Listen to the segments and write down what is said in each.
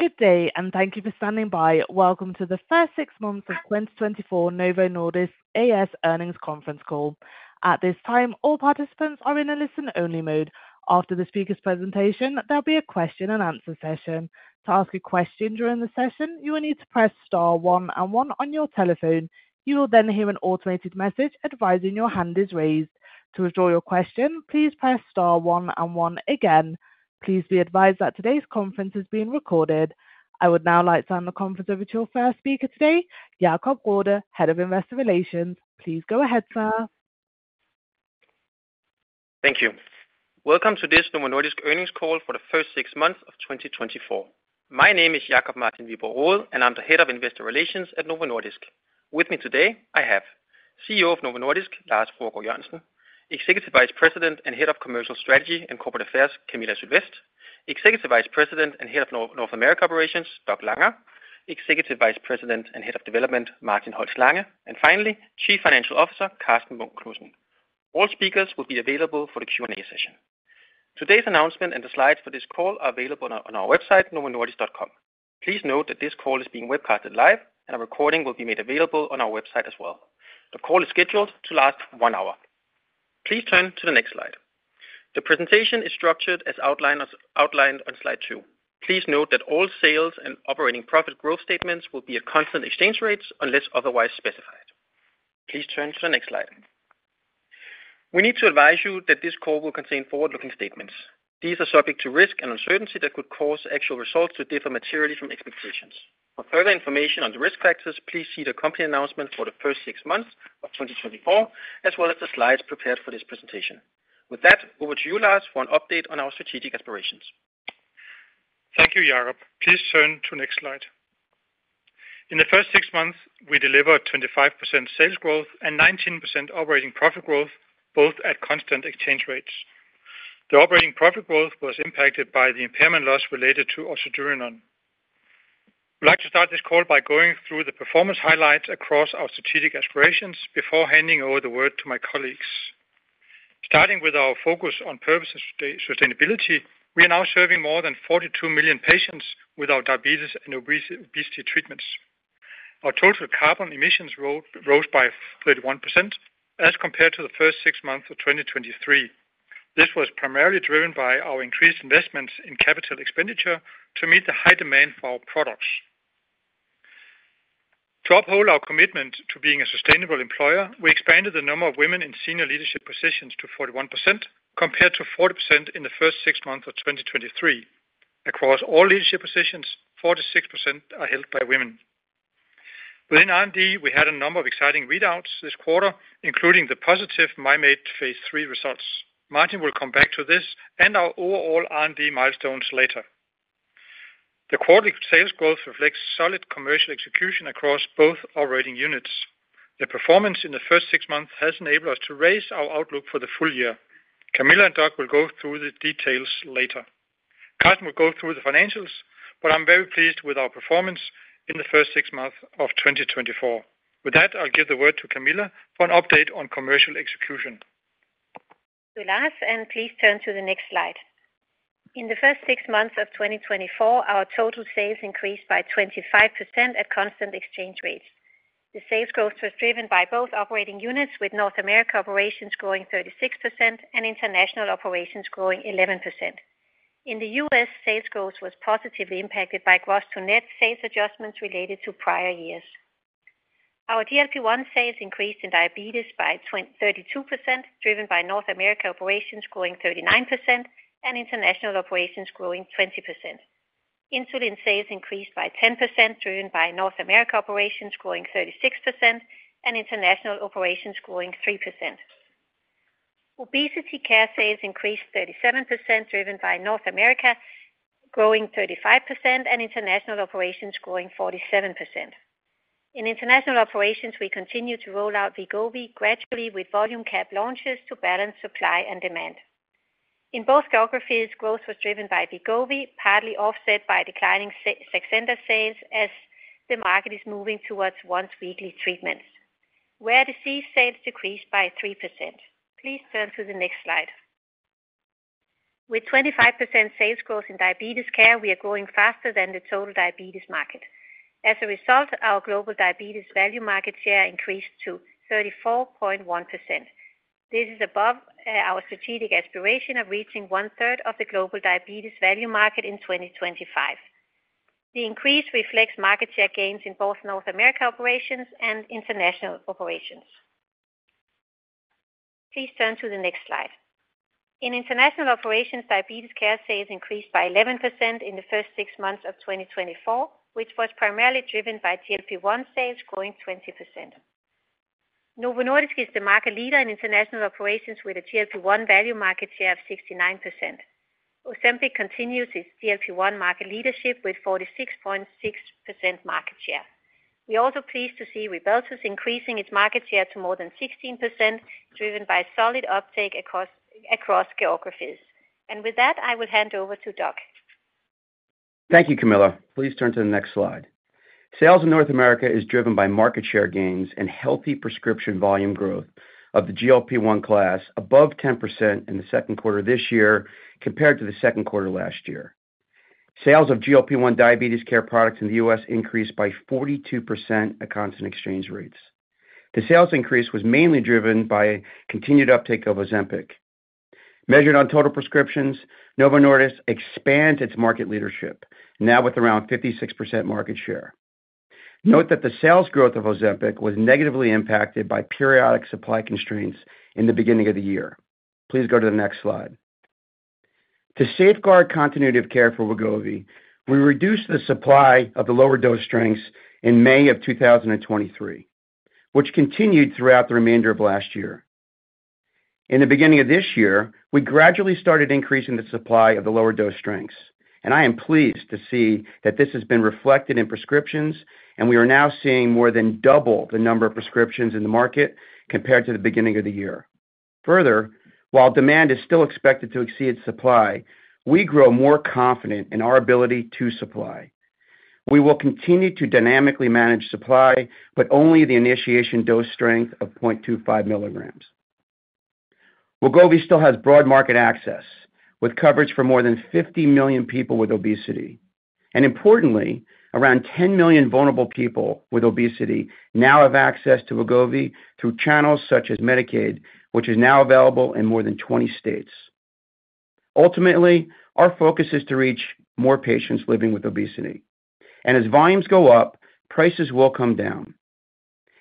Good day, and thank you for standing by. Welcome to the First Six Months of 2024 Novo Nordisk A/S Earnings Conference Call. At this time, all participants are in a listen-only mode. After the speaker's presentation, there'll be a question-and-answer session. To ask a question during the session, you will need to press star one and one on your telephone. You will then hear an automated message advising your hand is raised. To withdraw your question, please press star one and one again. Please be advised that today's conference is being recorded. I would now like to turn the conference over to our first speaker today, Jacob Wiborg Head of Investor Relations. Please go ahead, sir. Thank you. Welcome to this Novo Nordisk Earnings Call for the First Six Months of 2024. My name is Jacob Martin Wiborg Rode, and I'm the Head of Investor Relations at Novo Nordisk. With me today, I have CEO of Novo Nordisk, Lars Fruergaard Jørgensen, Executive Vice President and Head of Commercial Strategy and Corporate Affairs, Camilla Sylvest, Executive Vice President and Head of North America Operations, Doug Langa, Executive Vice President and Head of Development, Martin Holst Lange, and finally, Chief Financial Officer, Karsten Munk Knudsen. All speakers will be available for the Q&A session. Today's announcement and the slides for this call are available on our website, novonordisk.com. Please note that this call is being webcasted live, and a recording will be made available on our website as well. The call is scheduled to last one hour. Please turn to the next slide. The presentation is structured as outlined on slide two. Please note that all sales and operating profit growth statements will be at constant exchange rates unless otherwise specified. Please turn to the next slide. We need to advise you that this call will contain forward-looking statements. These are subject to risk and uncertainty that could cause actual results to differ materially from expectations. For further information on the risk factors, please see the company announcement for the first six months of 2024, as well as the slides prepared for this presentation. With that, over to you, Lars, for an update on our strategic aspirations. Thank you, Jacob. Please turn to the next slide. In the first six months, we delivered 25% sales growth and 19% operating profit growth, both at constant exchange rates. The operating profit growth was impacted by the impairment loss related to ocedurenone. We'd like to start this call by going through the performance highlights across our strategic aspirations before handing over the word to my colleagues. Starting with our focus on purpose sustainability, we are now serving more than 42 million patients with our diabetes and obesity treatments. Our total carbon emissions rose by 31% as compared to the first six months of 2023. This was primarily driven by our increased investments in capital expenditure to meet the high demand for our products. To uphold our commitment to being a sustainable employer, we expanded the number of women in senior leadership positions to 41% compared to 40% in the first six months of 2023. Across all leadership positions, 46% are held by women. Within R&D, we had a number of exciting readouts this quarter, including the positive Mim8 Phase 3 results. Martin will come back to this and our overall R&D milestones later. The quarterly sales growth reflects solid commercial execution across both operating units. The performance in the first six months has enabled us to raise our outlook for the full year. Camilla and Doug will go through the details later. Karsten will go through the financials, but I'm very pleased with our performance in the first six months of 2024. With that, I'll give the word to Camilla for an update on commercial execution. Lars, please turn to the next slide. In the first six months of 2024, our total sales increased by 25% at constant exchange rates. The sales growth was driven by both operating units, with North America operations growing 36% and international operations growing 11%. In the U.S., sales growth was positively impacted by gross to net sales adjustments related to prior years. Our GLP-1 sales increased in diabetes by 32%, driven by North America operations growing 39% and international operations growing 20%. Insulin sales increased by 10%, driven by North America operations growing 36% and international operations growing 3%. Obesity care sales increased 37%, driven by North America growing 35% and international operations growing 47%. In international operations, we continue to roll out Wegovy gradually with volume cap launches to balance supply and demand. In both geographies, growth was driven by Wegovy, partly offset by declining Saxenda sales as the market is moving towards once-weekly treatments, where disease sales decreased by 3%. Please turn to the next slide. With 25% sales growth in diabetes care, we are growing faster than the total diabetes market. As a result, our global diabetes value market share increased to 34.1%. This is above our strategic aspiration of reaching 1/3 of the global diabetes value market in 2025. The increase reflects market share gains in both North America operations and international operations. Please turn to the next slide. In international operations, diabetes care sales increased by 11% in the first six months of 2024, which was primarily driven by GLP-1 sales growing 20%. Novo Nordisk is the market leader in international operations with a GLP-1 value market share of 69%. Ozempic continues its GLP-1 market leadership with 46.6% market share. We are also pleased to see Rybelsus increasing its market share to more than 16%, driven by solid uptake across geographies. With that, I will hand over to Doug. Thank you, Camilla. Please turn to the next slide. Sales in North America are driven by market share gains and healthy prescription volume growth of the GLP-1 class above 10% in the second quarter this year compared to the second quarter last year. Sales of GLP-1 diabetes care products in the U.S. increased by 42% at constant exchange rates. The sales increase was mainly driven by continued uptake of Ozempic. Measured on total prescriptions, Novo Nordisk expands its market leadership, now with around 56% market share. Note that the sales growth of Ozempic was negatively impacted by periodic supply constraints in the beginning of the year. Please go to the next slide. To safeguard continuity of care for Wegovy, we reduced the supply of the lower dose strengths in May of 2023, which continued throughout the remainder of last year. In the beginning of this year, we gradually started increasing the supply of the lower dose strengths, and I am pleased to see that this has been reflected in prescriptions, and we are now seeing more than double the number of prescriptions in the market compared to the beginning of the year. Further, while demand is still expected to exceed supply, we grow more confident in our ability to supply. We will continue to dynamically manage supply, but only the initiation dose strength of 0.25 milligrams. Wegovy still has broad market access with coverage for more than 50 million people with obesity. Importantly, around 10 million vulnerable people with obesity now have access to Wegovy through channels such as Medicaid, which is now available in more than 20 states. Ultimately, our focus is to reach more patients living with obesity, and as volumes go up, prices will come down.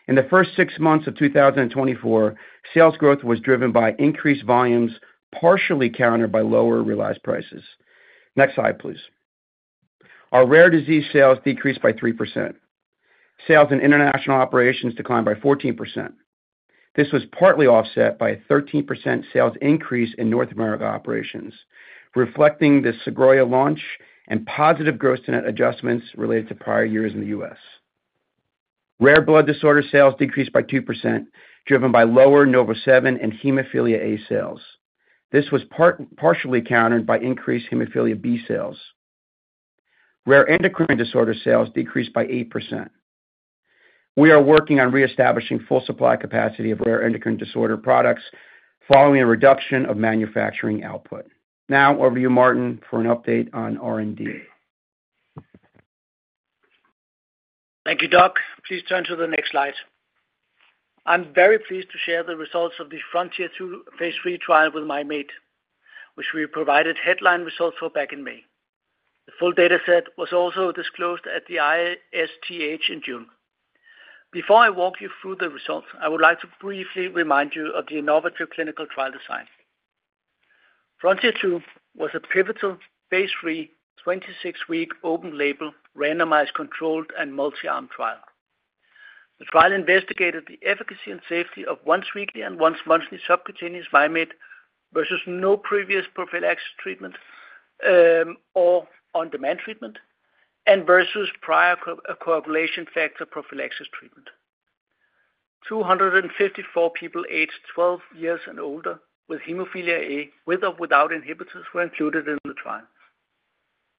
In the first six months of 2024, sales growth was driven by increased volumes partially countered by lower realized prices. Next slide, please. Our rare disease sales decreased by 3%. Sales in international operations declined by 14%. This was partly offset by a 13% sales increase in North America operations, reflecting the Sogroya launch and positive gross-to-net adjustments related to prior years in the U.S.. Rare blood disorder sales decreased by 2%, driven by lower NovoSeven and hemophilia A sales. This was partially countered by increased hemophilia B sales. Rare endocrine disorder sales decreased by 8%. We are working on reestablishing full supply capacity of rare endocrine disorder products following a reduction of manufacturing output. Now, over to you, Martin, for an update on R&D. Thank you, Doug. Please turn to the next slide. I'm very pleased to share the results of the FRONTIER 2 Phase 3 trial with Mim8, which we provided headline results for back in May. The full data set was also disclosed at the ISTH in June. Before I walk you through the results, I would like to briefly remind you of the innovative clinical trial design. FRONTIER 2 was a pivotal Phase 3, 26-week open-label, randomized controlled and multi-arm trial. The trial investigated the efficacy and safety of once-weekly and once-monthly subcutaneous Mim8 vs no previous prophylaxis treatment or on-demand treatment and versus prior coagulation factor prophylaxis treatment. 254 people aged 12 years and older with hemophilia A with or without inhibitors were included in the trial.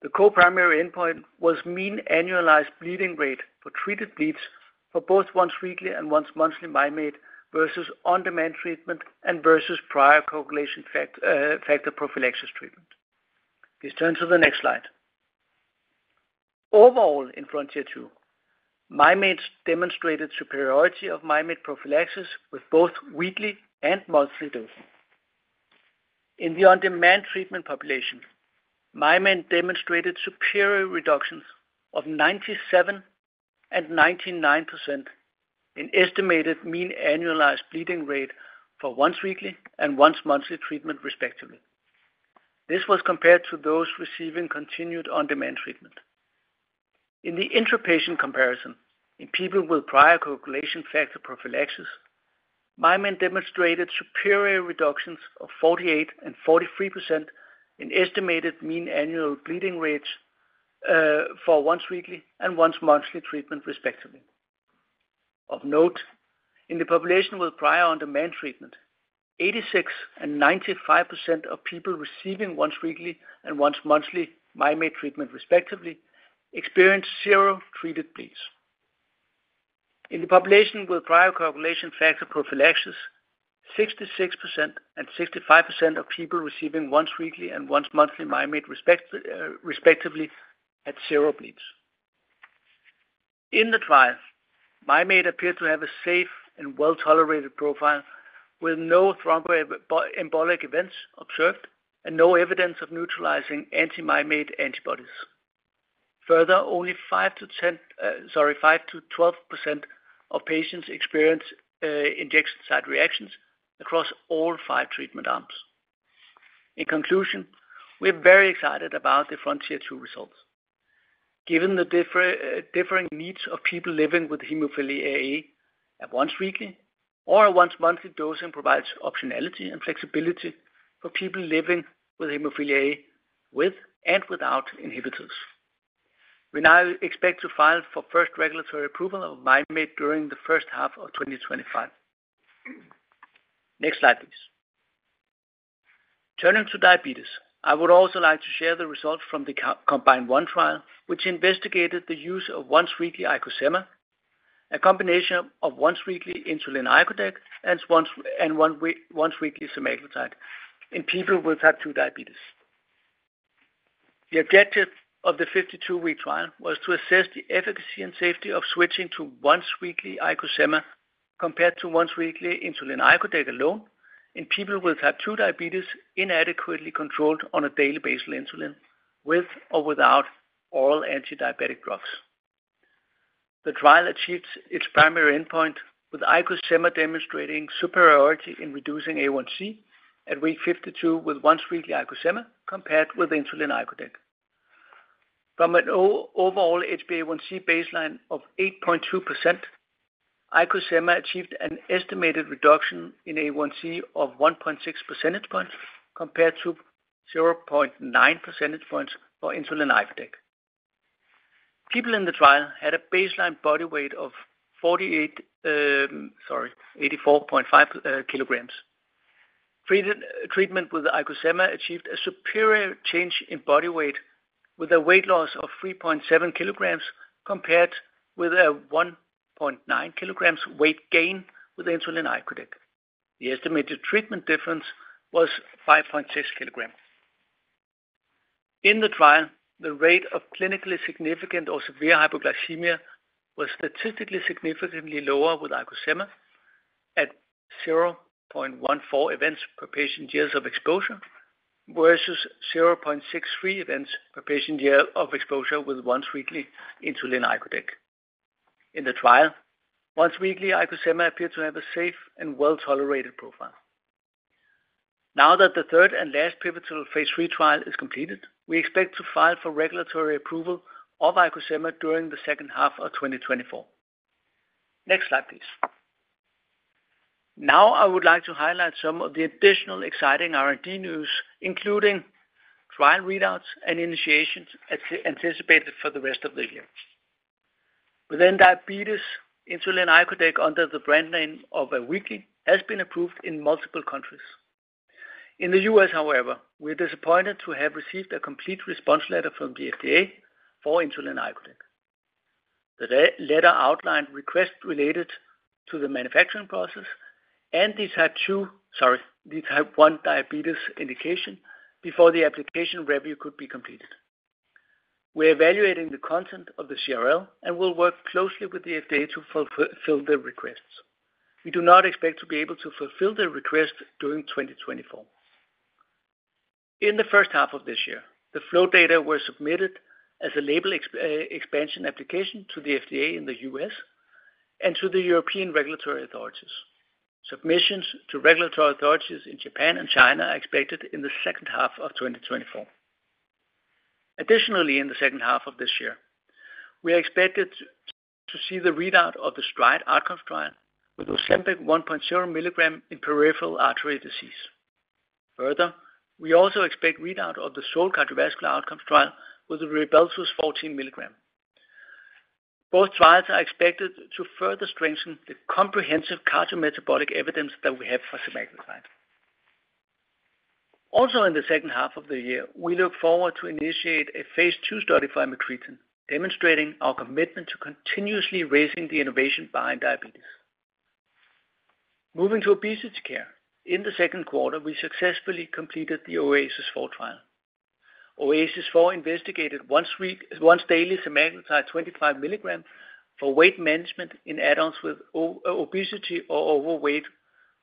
The co-primary endpoint was mean annualized bleeding rate for treated bleeds for both once-weekly and once-monthly Mim8 vs on-demand treatment and versus prior coagulation factor prophylaxis treatment. Please turn to the next slide. Overall, in FRONTIER 2, Mim8 demonstrated superiority of Mim8 prophylaxis with both weekly and once-monthly dosing. In the on-demand treatment population, Mim8 demonstrated superior reductions of 97% and 99% in estimated mean annualized bleeding rate for once-weekly and once-monthly treatment, respectively. This was compared to those receiving continued on-demand treatment. In the intrapatient comparison in people with prior coagulation factor prophylaxis, Mim8 demonstrated superior reductions of 48% and 43% in estimated mean annual bleeding rates for once-weekly and once-monthly treatment, respectively. Of note, in the population with prior on-demand treatment, 86% and 95% of people receiving once-weekly and once-monthly Mim8 treatment, respectively, experienced zero treated bleeds. In the population with prior coagulation factor prophylaxis, 66% and 65% of people receiving once-weekly and once-monthly Mim8, respectively, had zero bleeds. In the trial, Mim8 appeared to have a safe and well-tolerated profile with no thromboembolic events observed and no evidence of neutralizing anti-Mim8 antibodies. Further, only 5%-12% of patients experienced injection site reactions across all five treatment arms. In conclusion, we're very excited about the FRONTIER 2 results. Given the differing needs of people living with hemophilia A, a once-weekly or a once-monthly dosing provides optionality and flexibility for people living with hemophilia A with and without inhibitors. We now expect to file for first regulatory approval of Mim8 during the first half of 2025. Next slide, please. Turning to diabetes, I would also like to share the results from the COMBINE 1 trial, which investigated the use of once-weekly IcoSema, a combination of once-weekly insulin icodec and once-weekly semaglutide in people with Type 2 diabetes. The objective of the 52-week trial was to assess the efficacy and safety of switching to once-weekly IcoSema compared to once-weekly insulin icodec alone in people with Type 2 diabetes inadequately controlled on a daily basal insulin with or without oral antidiabetic drugs. The trial achieved its primary endpoint with IcoSema demonstrating superiority in reducing HbA1c at week 52 with once-weekly IcoSema compared with insulin icodec. From an overall HbA1c baseline of 8.2%, IcoSema achieved an estimated reduction in HbA1c of 1.6 % points compared to 0.9 % points for insulin icodec. People in the trial had a baseline body weight of 84.5 kilograms. Treatment with IcoSema achieved a superior change in body weight with a weight loss of 3.7 kilograms compared with a 1.9 kilograms weight gain with insulin icodec. The estimated treatment difference was 5.6 kilograms. In the trial, the rate of clinically significant or severe hypoglycemia was statistically significantly lower with IcoSema at 0.14 events per patient years of exposure versus 0.63 events per patient year of exposure with once-weekly insulin icodec. In the trial, once-weekly IcoSema appeared to have a safe and well-tolerated profile. Now that the third and last pivotal Phase 3 trial is completed, we expect to file for regulatory approval of IcoSema during the second half of 2024. Next slide, please. Now, I would like to highlight some of the additional exciting R&D news, including trial readouts and initiations anticipated for the rest of the year. Within diabetes, insulin icodec under the brand name of Awiqli has been approved in multiple countries. In the U.S., however, we are disappointed to have received a complete response letter from the FDA for insulin icodec. The letter outlined requests related to the manufacturing process and the Type 1 diabetes indication before the application review could be completed. We are evaluating the content of the CRL and will work closely with the FDA to fulfill the requests. We do not expect to be able to fulfill the request during 2024. In the first half of this year, the FLOW data were submitted as a label expansion application to the FDA in the U.S. and to the European regulatory authorities. Submissions to regulatory authorities in Japan and China are expected in the second half of 2024. Additionally, in the second half of this year, we are expected to see the readout of the STRIDE outcome trial with Ozempic 1.0 milligram in peripheral artery disease. Further, we also expect readout of the SOUL cardiovascular outcome trial with the Rybelsus 14 milligram. Both trials are expected to further strengthen the comprehensive cardiometabolic evidence that we have for semaglutide. Also, in the second half of the year, we look forward to initiating a Phase 2 study for amycretin, demonstrating our commitment to continuously raising the innovation behind diabetes. Moving to obesity care, in the second quarter, we successfully completed the OASIS 4 trial. OASIS 4 investigated once-daily semaglutide 25 milligram for weight management in adults with obesity or overweight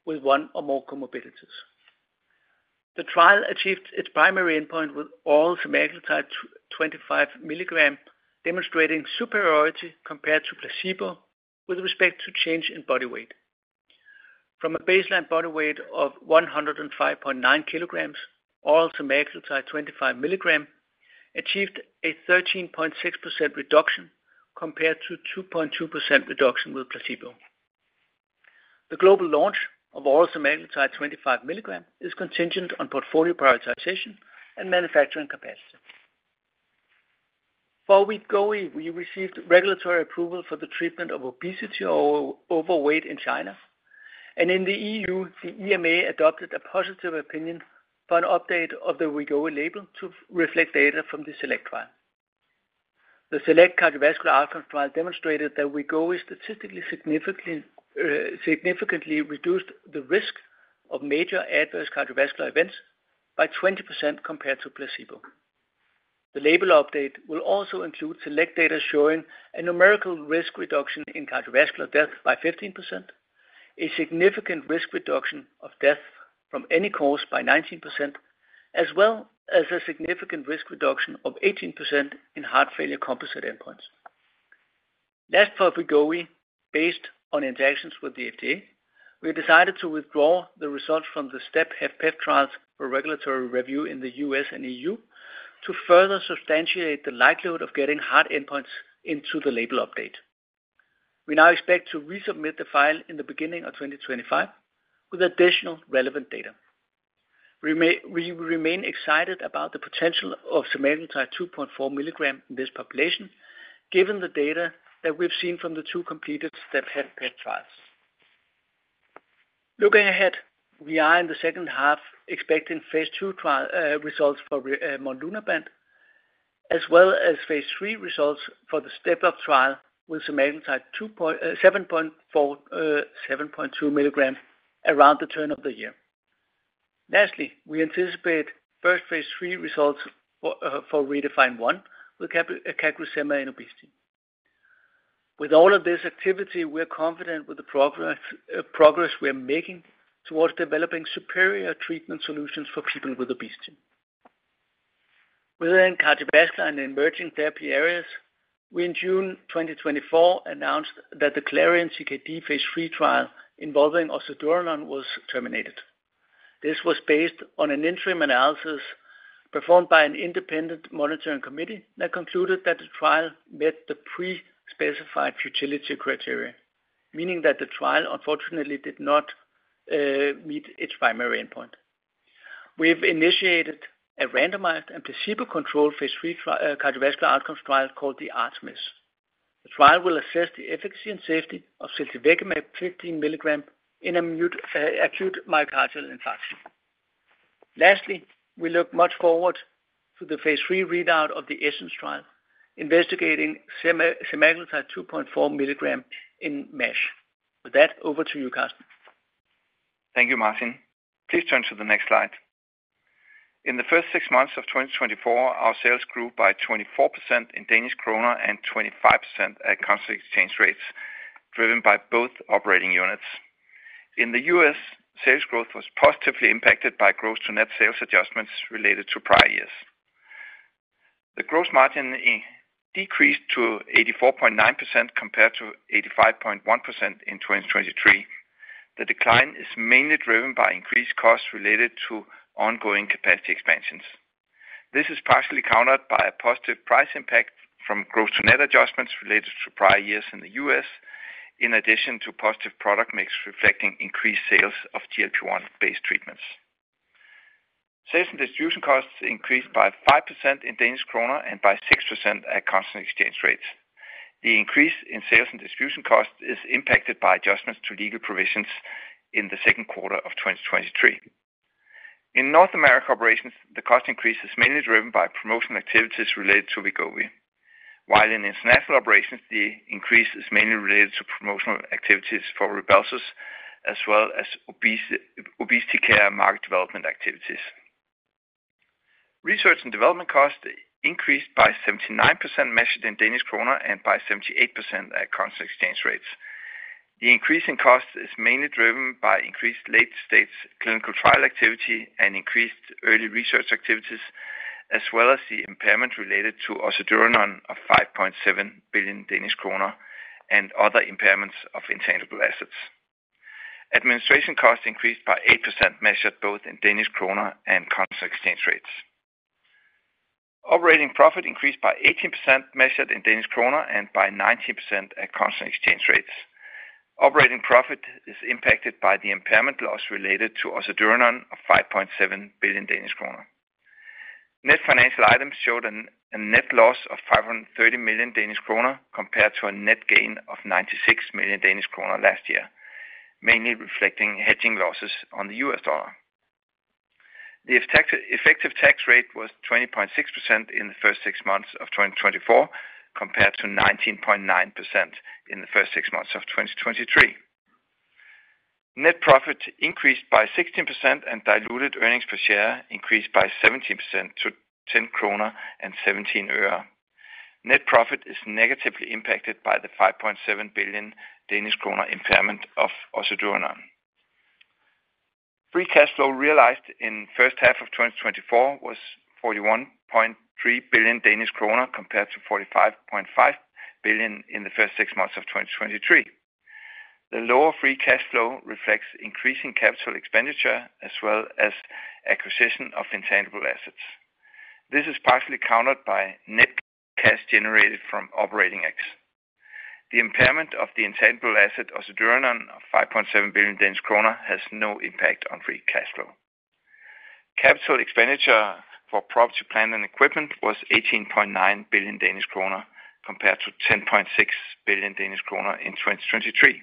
with one or more comorbidities. The trial achieved its primary endpoint with oral semaglutide 25 milligram, demonstrating superiority compared to placebo with respect to change in body weight. From a baseline body weight of 105.9 kilograms, oral semaglutide 25 miligrams achieved a 13.6% reduction compared to 2.2% reduction with placebo. The global launch of oral semaglutide 25 miligrams is contingent on portfolio prioritization and manufacturing capacity. For Wegovy, we received regulatory approval for the treatment of obesity or overweight in China, and in the E.U., the EMA adopted a positive opinion for an update of the Wegovy label to reflect data from the SELECT trial. The SELECT cardiovascular outcome trial demonstrated that Wegovy statistically significantly reduced the risk of major adverse cardiovascular events by 20% compared to placebo. The label update will also include SELECT data showing a numerical risk reduction in cardiovascular death by 15%, a significant risk reduction of death from any cause by 19%, as well as a significant risk reduction of 18% in heart failure composite endpoints. Last, for Wegovy, based on interactions with the FDA, we decided to withdraw the results from the STEP HFpEF trials for regulatory review in the U.S. and E.U. to further substantiate the likelihood of getting heart endpoints into the label update. We now expect to resubmit the file in the beginning of 2025 with additional relevant data. We remain excited about the potential of Semaglutide 2.4 milligram in this population, given the data that we've seen from the two completed STEP HFpEF trials. Looking ahead, we are in the second half expecting Phase 2 results for monlunabant, as well as Phase 3 results for the STEP HFpEF trial with Semaglutide 7.2 milligram around the turn of the year. Lastly, we anticipate first Phase 3 results for REDEFINE 1 with CagriSema in obesity. With all of this activity, we're confident with the progress we're making towards developing superior treatment solutions for people with obesity. Within cardiovascular and emerging therapy areas, we, in June 2024, announced that the CLARION-CKD Phase 3 trial involving ocedurenone was terminated. This was based on an interim analysis performed by an independent monitoring committee that concluded that the trial met the pre-specified futility criteria, meaning that the trial unfortunately did not meet its primary endpoint. We have initiated a randomized and placebo-controlled Phase 3 cardiovascular outcomes trial called the ARTEMIS. The trial will assess the efficacy and safety of ziltivekimab in an acute myocardial infarction. Lastly, we look much forward to the Phase 3 readout of the ESSENCE trial investigating semaglutide 2.4 milligrams in MASH. With that, over to you, Karsten. Thank you, Martin. Please turn to the next slide. In the first six months of 2024, our sales grew by 24% in Danish kroner and 25% at currency exchange rates, driven by both operating units. In the U.S., sales growth was positively impacted by gross-to-net sales adjustments related to prior years. The gross margin decreased to 84.9% compared to 85.1% in 2023. The decline is mainly driven by increased costs related to ongoing capacity expansions. This is partially countered by a positive price impact from gross-to-net adjustments related to prior years in the U.S., in addition to positive product mix reflecting increased sales of GLP-1-based treatments. Sales and distribution costs increased by 5% in DKK and by 6% at currency exchange rates. The increase in sales and distribution costs is impacted by adjustments to legal provisions in the second quarter of 2023. In North America operations, the cost increase is mainly driven by promotional activities related to Wegovy, while in international operations, the increase is mainly related to promotional activities for Rybelsus, as well as obesity care and market development activities. Research and development costs increased by 79% measured in Danish kroner and by 78% at currency exchange rates. The increase in costs is mainly driven by increased late-stage clinical trial activity and increased early research activities, as well as the impairment related to ocedurenone of 5.7 billion Danish kroner and other impairments of intangible assets. Administration costs increased by 8% measured both in Danish kroner and currency exchange rates. Operating profit increased by 18% measured in Danish kroner and by 19% at currency exchange rates. Operating profit is impacted by the impairment loss related to ocedurenone of 5.7 billion Danish kroner. Net financial items showed a net loss of 530 million Danish kroner compared to a net gain of 96 million Danish kroner last year, mainly reflecting hedging losses on the US dollar. The effective tax rate was 20.6% in the first six months of 2024 compared to 19.9% in the first six months of 2023. Net profit increased by 16% and diluted earnings per share increased by 17% to 10.17 kroner. Net profit is negatively impacted by the 5.7 billion Danish kroner impairment of ocedurenone. Free cash flow realized in the first half of 2024 was 41.3 billion Danish kroner compared to 45.5 billion in the first six months of 2023. The lower free cash flow reflects increasing capital expenditure as well as acquisition of intangible assets. This is partially countered by net cash generated from operating activities. The impairment of the intangible asset ocedurenone of 5.7 billion Danish kroner has no impact on free cash flow. Capital expenditure for property, plant, and equipment was 18.9 billion Danish kroner compared to 10.6 billion Danish kroner in 2023.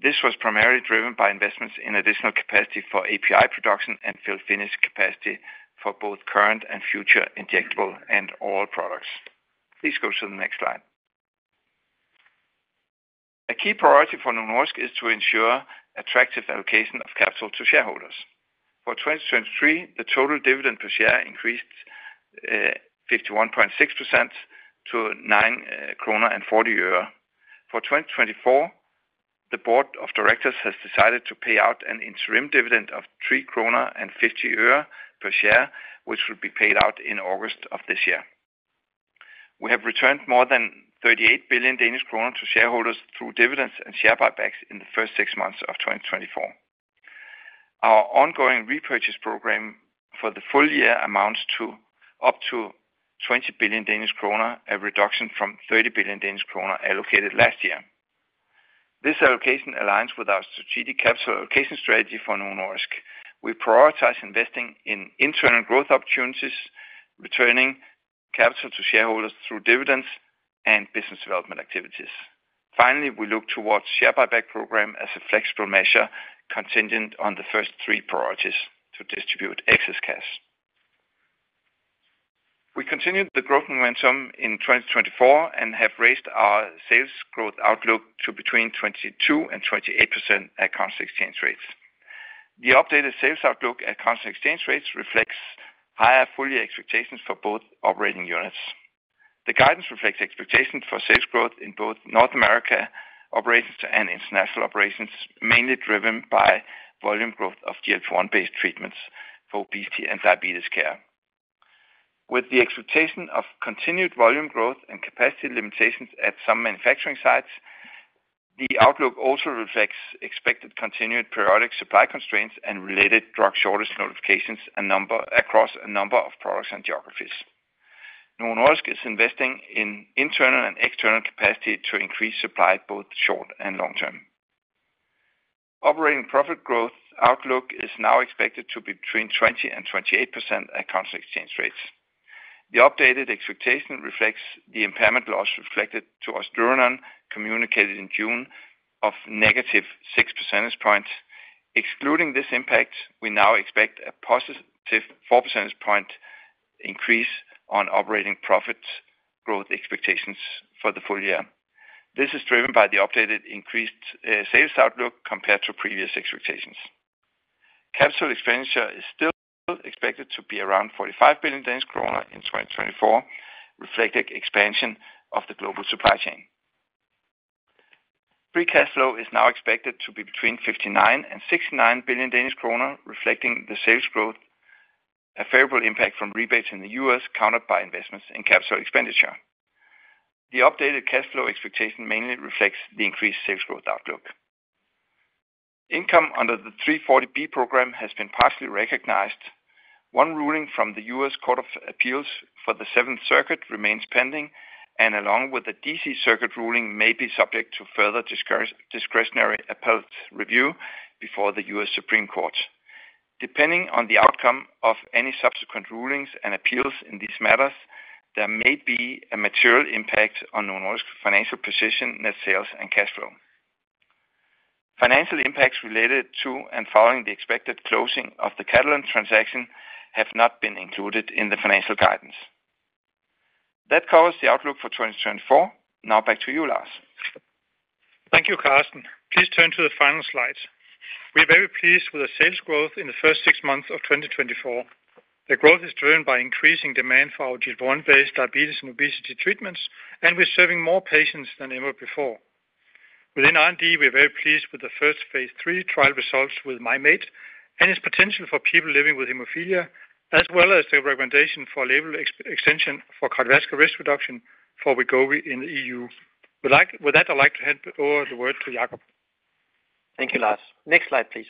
This was primarily driven by investments in additional capacity for API production and fill finish capacity for both current and future injectable and oral products. Please go to the next slide. A key priority for Novo Nordisk is to ensure attractive allocation of capital to shareholders. For 2023, the total dividend per share increased 51.6% to 9 kroner and 40 øre. For 2024, the board of directors has decided to pay out an interim dividend of 3 kroner and 50 øre per share, which will be paid out in August of this year. We have returned more than 38 billion Danish kroner to shareholders through dividends and share buybacks in the first six months of 2024. Our ongoing repurchase program for the full year amounts to up to 20 billion Danish kroner, a reduction from 30 billion Danish kroner allocated last year. This allocation aligns with our strategic capital allocation strategy for Novo Nordisk. We prioritize investing in internal growth opportunities, returning capital to shareholders through dividends and business development activities. Finally, we look towards the share buyback program as a flexible measure contingent on the first three priorities to distribute excess cash. We continued the growth momentum in 2024 and have raised our sales growth outlook to between 22% and 28% at currency exchange rates. The updated sales outlook at currency exchange rates reflects higher full-year expectations for both operating units. The guidance reflects expectations for sales growth in both North America operations and international operations, mainly driven by volume growth of GLP-1-based treatments for obesity and diabetes care. With the expectation of continued volume growth and capacity limitations at some manufacturing sites, the outlook also reflects expected continued periodic supply constraints and related drug shortage notifications across a number of products and geographies. Novo Nordisk is investing in internal and external capacity to increase supply both short and long term. Operating profit growth outlook is now expected to be between 20% and 28% at currency exchange rates. The updated expectation reflects the impairment loss reflected to ocedurenone communicated in June of -ve 6% points. Excluding this impact, we now expect a +ve 4% point increase on operating profit growth expectations for the full year. This is driven by the updated increased sales outlook compared to previous expectations. Capital expenditure is still expected to be around 45 billion Danish kroner in 2024, reflecting expansion of the global supply chain. Free cash flow is now expected to be between 59 billion-69 billion Danish kroner, reflecting the sales growth, a favorable impact from rebates in the U.S. countered by investments in capital expenditure. The updated cash flow expectation mainly reflects the increased sales growth outlook. Income under the 340B program has been partially recognized. One ruling from the U.S. Court of Appeals for the Seventh Circuit remains pending, and along with the D.C. Circuit ruling, may be subject to further discretionary appellate review before the U.S. Supreme Court. Depending on the outcome of any subsequent rulings and appeals in these matters, there may be a material impact on Novo Nordisk's financial position, net sales, and cash flow. Financial impacts related to and following the expected closing of the Catalent transaction have not been included in the financial guidance. That covers the outlook for 2024. Now back to you, Lars. Thank you, Karsten. Please turn to the final slides. We are very pleased with the sales growth in the first six months of 2024. The growth is driven by increasing demand for our GLP-1-based diabetes and obesity treatments, and we're serving more patients than ever before. Within R&D, we are very pleased with the first Phase 3 trial results with Mim8 and its potential for people living with hemophilia, as well as the recommendation for label extension for cardiovascular risk reduction for Wegovy in the EU. With that, I'd like to hand over the word to Jacob. Thank you, Lars. Next slide, please.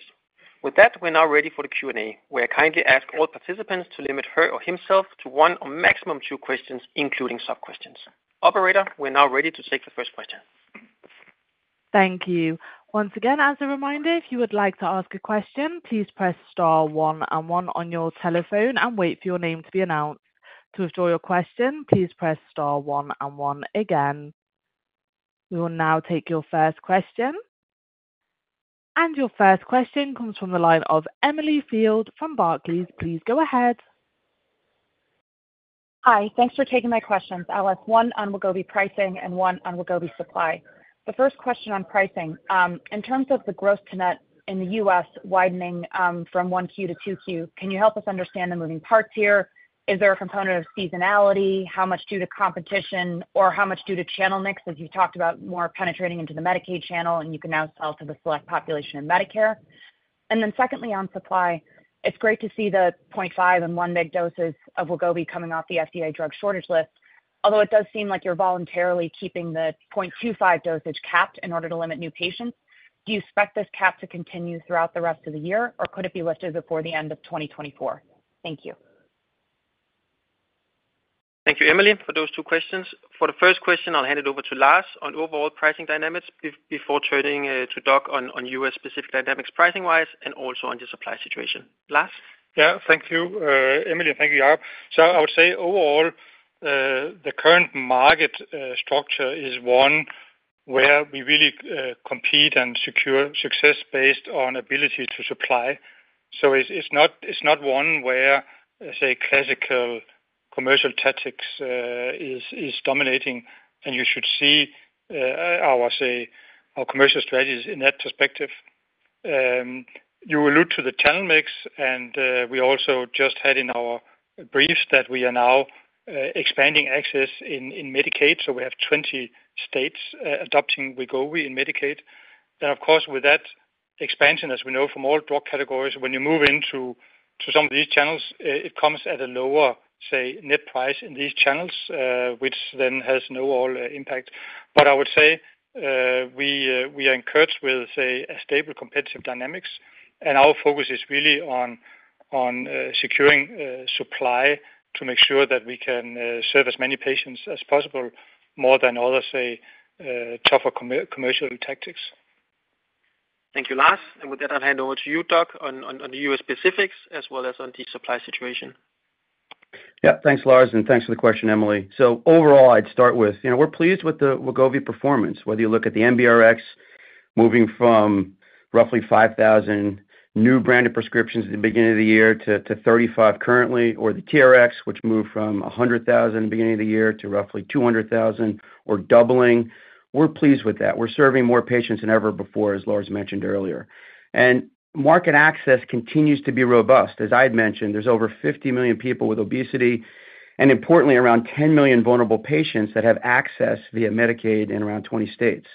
With that, we're now ready for the Q&A. We're kindly asking all participants to limit her or himself to one or maximum two questions, including sub-questions. Operator, we're now ready to take the first question. Thank you. Once again, as a reminder, if you would like to ask a question, please press star one and one on your telephone and wait for your name to be announced. To withdraw your question, please press star one and one again. We will now take your first question. Your first question comes from the line of Emily Field from Barclays. Please go ahead. Hi, thanks for taking my questions. I'll ask one on Wegovy pricing and one on Wegovy supply. The first question on pricing, in terms of the gross to net in the U.S. widening from 1Q to 2Q, can you help us understand the moving parts here? Is there a component of seasonality? How much due to competition, or how much due to channel mix as you've talked about more penetrating into the Medicaid channel and you can now sell to the select population of Medicare? And then secondly, on supply, it's great to see the 0.5 and 1 miligram doses of Wegovy coming off the FDA drug shortage list, although it does seem like you're voluntarily keeping the 0.25 dosage capped in order to limit new patients. Do you expect this cap to continue throughout the rest of the year, or could it be lifted before the end of 2024? Thank you. Thank you, Emily, for those two questions. For the first question, I'll hand it over to Lars on overall pricing dynamics before turning to Doug on U.S.-specific dynamics pricing-wise and also on the supply situation. Lars? Yeah, thank you, Emily, and thank you, Jacob. So I would say overall, the current market structure is one where we really compete and secure success based on ability to supply. So it's not one where, say, classical commercial tactics is dominating, and you should see our commercial strategies in that perspective. You alluded to the channel mix, and we also just had in our briefs that we are now expanding access in Medicaid, so we have 20 states adopting Wegovy in Medicaid. And of course, with that expansion, as we know from all drug categories, when you move into some of these channels, it comes at a lower, say, net price in these channels, which then has no impact. But I would say we are encouraged with, say, a stable competitive dynamics, and our focus is really on securing supply to make sure that we can serve as many patients as possible, more than other, say, tougher commercial tactics. Thank you, Lars. And with that, I'll hand over to you, Doug, on the U.S. specifics as well as on the supply situation. Yeah, thanks, Lars, and thanks for the question, Emily. So overall, I'd start with, you know, we're pleased with the Wegovy performance, whether you look at the NBRx moving from roughly 5,000 new branded prescriptions at the beginning of the year to 35 currently, or the TRx, which moved from 100,000 at the beginning of the year to roughly 200,000, or doubling. We're pleased with that. We're serving more patients than ever before, as Lars mentioned earlier. And market access continues to be robust. As I had mentioned, there's over 50 million people with obesity and, importantly, around 10 million vulnerable patients that have access via Medicaid in around 20 states.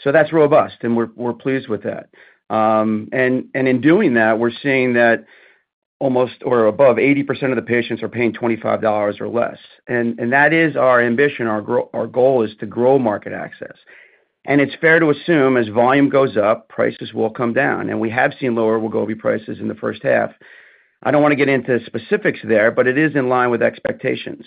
So that's robust, and we're pleased with that. And in doing that, we're seeing that almost or above 80% of the patients are paying $25 or less. And that is our ambition. Our goal is to grow market access. And it's fair to assume as volume goes up, prices will come down. And we have seen lower Wegovy prices in the first half. I don't want to get into specifics there, but it is in line with expectations.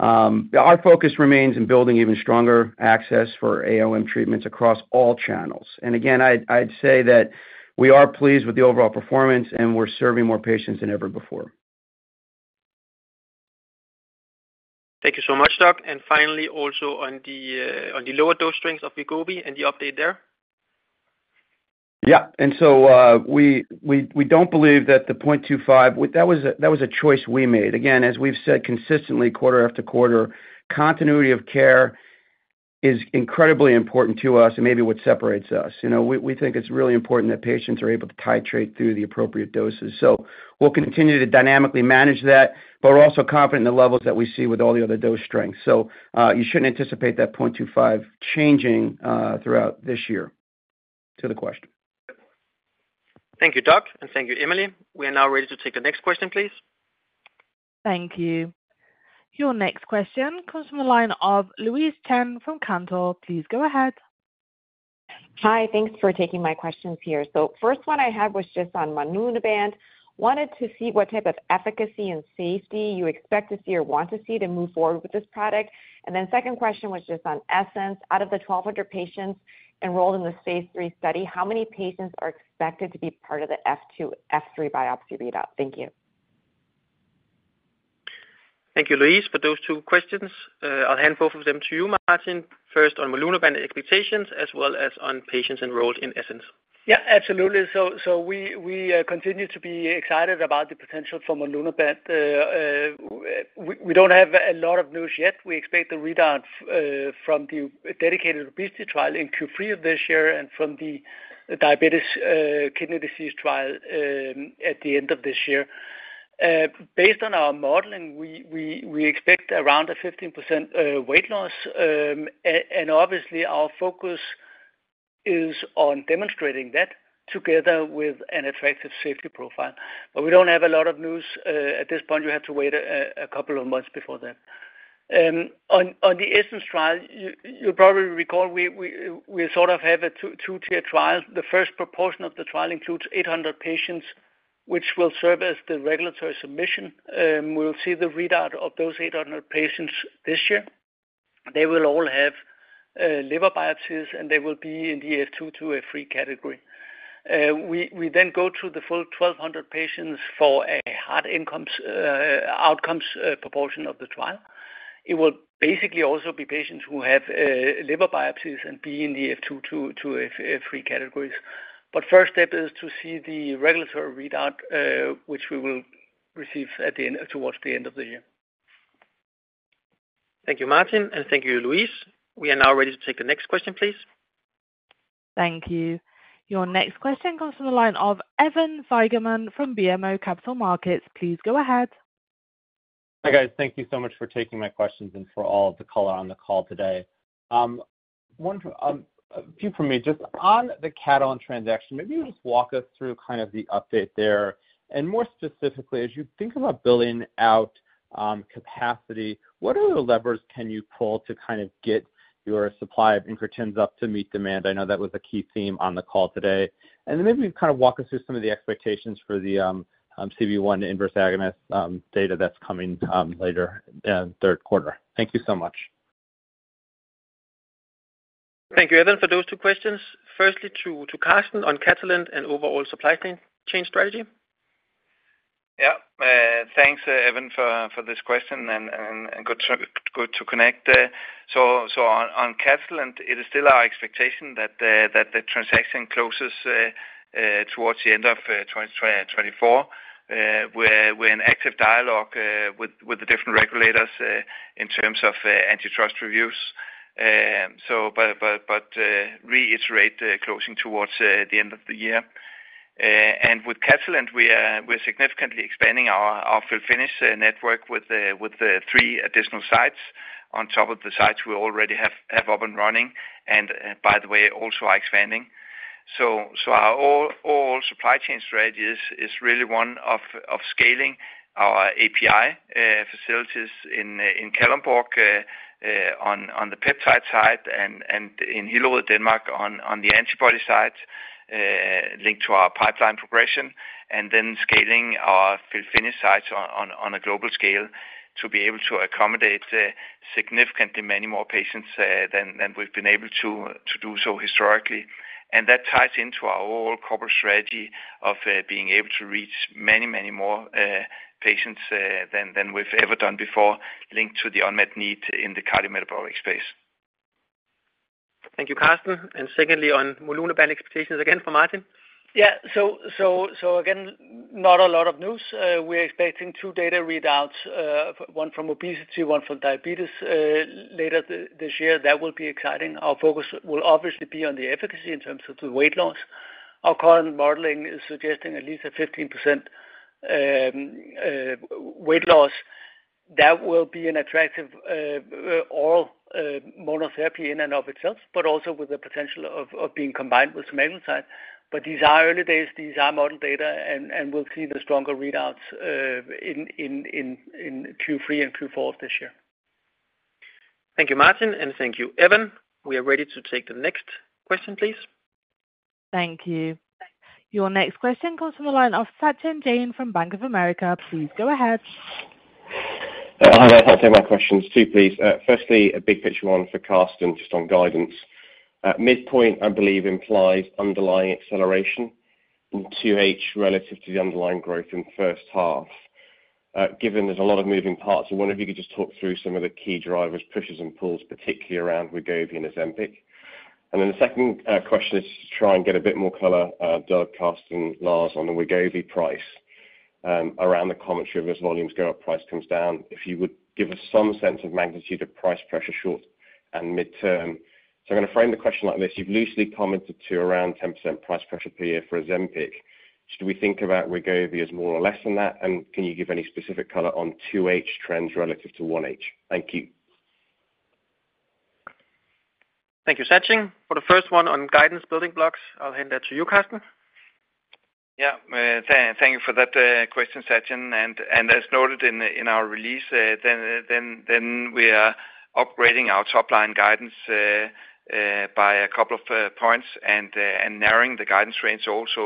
Our focus remains in building even stronger access for AOM treatments across all channels. And again, I'd say that we are pleased with the overall performance, and we're serving more patients than ever before. Thank you so much, Doug. And finally, also on the lower dose strength of Wegovy and the update there. Yeah. And so we don't believe that the 0.25, that was a choice we made. Again, as we've said consistently quarter after quarter, continuity of care is incredibly important to us and maybe what separates us. You know, we think it's really important that patients are able to titrate through the appropriate doses. So we'll continue to dynamically manage that, but we're also confident in the levels that we see with all the other dose strengths. So you shouldn't anticipate that 0.25 changing throughout this year. To the question. Thank you, Doug, and thank you, Emily. We are now ready to take the next question, please. Thank you. Your next question comes from the line of Louise Chen from Cantor. Please go ahead. Hi, thanks for taking my questions here. So first one I had was just on monlunabant. Wanted to see what type of efficacy and safety you expect to see or want to see to move forward with this product. And then second question was just on ESSENCE. Out of the 1,200 patients enrolled in the Phase 3 study, how many patients are expected to be part of the F2F3 biopsy readout? Thank you. Thank you, Louise, for those two questions. I'll hand both of them to you, Martin. First on monlunabant expectations, as well as on patients enrolled in ESSENCE. Yeah, absolutely. So we continue to be excited about the potential for monlunabant. We don't have a lot of news yet. We expect the readout from the dedicated obesity trial in Q3 of this year and from the diabetes kidney disease trial at the end of this year. Based on our modeling, we expect around a 15% weight loss. And obviously, our focus is on demonstrating that together with an attractive safety profile. But we don't have a lot of news at this point. You have to wait a couple of months before that. On the ESSENCE trial, you probably recall we sort of have a two-tier trial. The first proportion of the trial includes 800 patients, which will serve as the regulatory submission. We'll see the readout of those 800 patients this year. They will all have liver biopsies, and they will be in the F2-F3 category. We then go to the full 1,200 patients for a hard endpoint outcomes portion of the trial. It will basically also be patients who have liver biopsies and be in the F2-F3 categories. But first step is to see the regulatory readout, which we will receive towards the end of the year. Thank you, Martin, and thank you, Louise. We are now ready to take the next question, please. Thank you. Your next question comes from the line of Evan Seigerman from BMO Capital Markets. Please go ahead. Hi guys, thank you so much for taking my questions and for all of the color on the call today. A few from me. Just on the Catalent transaction, maybe you would just walk us through kind of the update there. And more specifically, as you think about building out capacity, what other levers can you pull to kind of get your supply of incretins up to meet demand? I know that was a key theme on the call today. And then maybe you kind of walk us through some of the expectations for the CB1 inverse agonist data that's coming later in the third quarter. Thank you so much. Thank you, Evan, for those two questions. Firstly, to Karsten on Catalent and overall supply chain strategy. Yeah, thanks, Evan, for this question and good to connect. So on Catalent, it is still our expectation that the transaction closes towards the end of 2024. We're in active dialogue with the different regulators in terms of antitrust reviews. So but reiterate closing towards the end of the year. And with Catalent, we're significantly expanding our Fill Finish network with three additional sites on top of the sites we already have up and running. And by the way, also expanding. So our all supply chain strategy is really one of scaling our API facilities in Kalundborg on the peptide side and in Hillerød, Denmark, on the antibody side linked to our pipeline progression. And then scaling our Fill Finish sites on a global scale to be able to accommodate significantly many more patients than we've been able to do so historically. That ties into our overall corporate strategy of being able to reach many, many more patients than we've ever done before linked to the unmet need in the cardiometabolic space. Thank you, Karsten. And secondly, on monlunabant expectations again for Martin. Yeah, so again, not a lot of news. We're expecting two data readouts, one from obesity, one from diabetes later this year. That will be exciting. Our focus will obviously be on the efficacy in terms of the weight loss. Our current modeling is suggesting at least a 15% weight loss. That will be an attractive oral monotherapy in and of itself, but also with the potential of being combined with some GLP-1 agonist. But these are early days, these are model data, and we'll see the stronger readouts in Q3 and Q4 this year. Thank you, Martin, and thank you, Evan. We are ready to take the next question, please. Thank you. Your next question comes from the line of Sachin Jain from Bank of America. Please go ahead. I'll take my questions too, please. Firstly, a big picture one for Karsten just on guidance. Midpoint, I believe, implies underlying acceleration in QH relative to the underlying growth in the first half. Given there's a lot of moving parts, I wonder if you could just talk through some of the key drivers, pushes and pulls, particularly around Wegovy and Ozempic. And then the second question is to try and get a bit more color, Doug, Karsten, Lars on the Wegovy price around the commentary of as volumes go up, price comes down. If you would give us some sense of magnitude of price pressure short and midterm. So I'm going to frame the question like this. You’ve loosely commented to around 10% price pressure per year for Ozempic. Should we think about Wegovy as more or less than that? And can you give any specific color on 2H trends relative to 1H? Thank you. Thank you, Sachin. For the first one on guidance building blocks, I’ll hand that to you, Karsten. Yeah, thank you for that question, Sachin. And as noted in our release, then we are upgrading our top-line guidance by a couple of points and narrowing the guidance range also.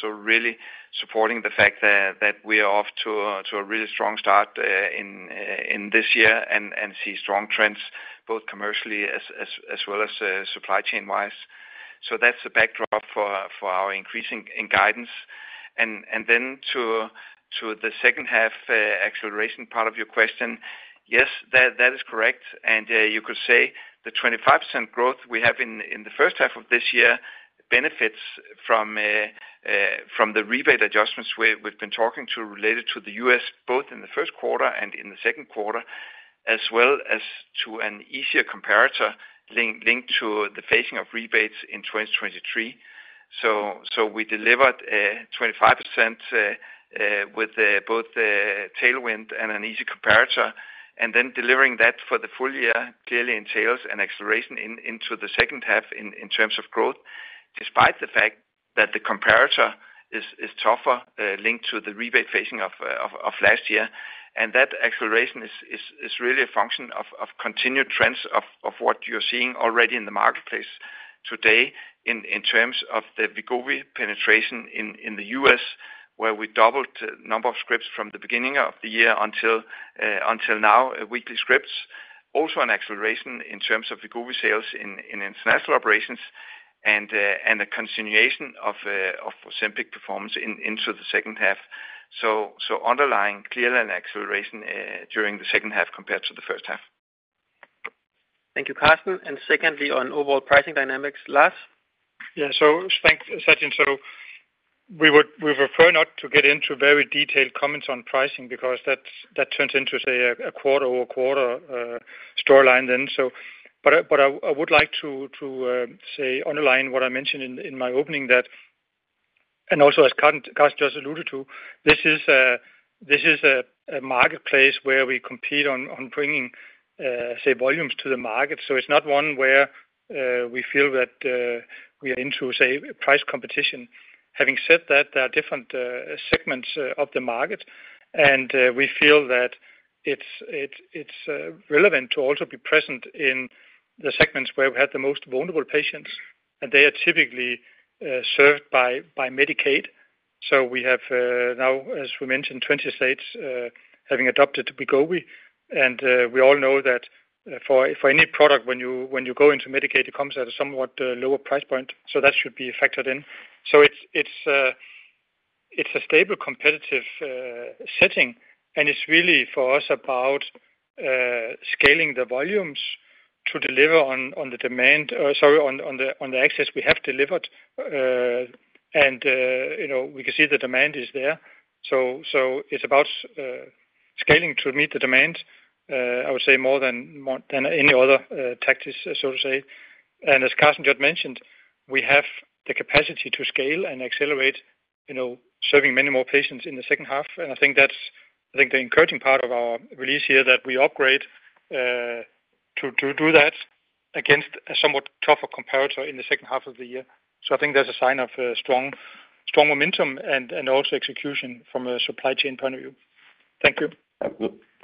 So really supporting the fact that we are off to a really strong start in this year and see strong trends both commercially as well as supply chain-wise. So that’s a backdrop for our increasing in guidance. And then to the second-half acceleration part of your question, yes, that is correct. You could say the 25% growth we have in the first half of this year benefits from the rebate adjustments we've been talking to related to the U.S. both in the first quarter and in the second quarter, as well as to an easier comparator linked to the phasing of rebates in 2023. So we delivered 25% with both tailwind and an easy comparator. And then delivering that for the full year clearly entails an acceleration into the second half in terms of growth, despite the fact that the comparator is tougher linked to the rebate phasing of last year. And that acceleration is really a function of continued trends of what you're seeing already in the marketplace today in terms of the Wegovy penetration in the U.S., where we doubled the number of scripts from the beginning of the year until now, weekly scripts. Also an acceleration in terms of Wegovy sales in international operations and a continuation of Ozempic performance into the second half. So underlying clearly an acceleration during the second half compared to the first half. Thank you, Karsten. And secondly, on overall pricing dynamics, Lars. Yeah, so thanks, Sachin. So we would prefer not to get into very detailed comments on pricing because that turns into a quarter-over-quarter storyline then. But I would like to say underline what I mentioned in my opening that, and also as Karsten just alluded to, this is a marketplace where we compete on bringing, say, volumes to the market. So it's not one where we feel that we are into, say, price competition. Having said that, there are different segments of the market. And we feel that it's relevant to also be present in the segments where we have the most vulnerable patients. They are typically served by Medicaid. We have now, as we mentioned, 20 states having adopted Wegovy. We all know that for any product, when you go into Medicaid, it comes at a somewhat lower price point. That should be factored in. It's a stable competitive setting. It's really for us about scaling the volumes to deliver on the demand, sorry, on the access we have delivered. We can see the demand is there. It's about scaling to meet the demand, I would say, more than any other tactics, so to say. As Karsten just mentioned, we have the capacity to scale and accelerate serving many more patients in the second half. I think the encouraging part of our release here is that we upgrade to do that against a somewhat tougher comparator in the second half of the year. So I think that’s a sign of strong momentum and also execution from a supply chain point of view. Thank you.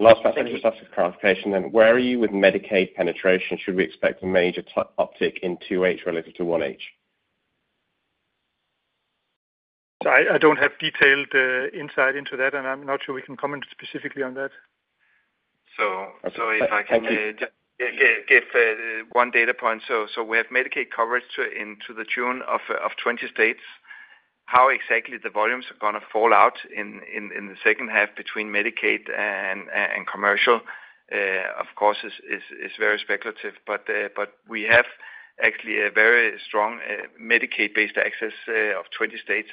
Last question for Sachin’s clarification. Where are you with Medicaid penetration? Should we expect a major uptick in 2H relative to 1H? So I don’t have detailed insight into that, and I’m not sure we can comment specifically on that. So if I can give one data point, so we have Medicaid coverage as of June in 20 states. How exactly the volumes are going to fall out in the second half between Medicaid and commercial, of course, is very speculative. But we have actually a very strong Medicaid-based access in 20 states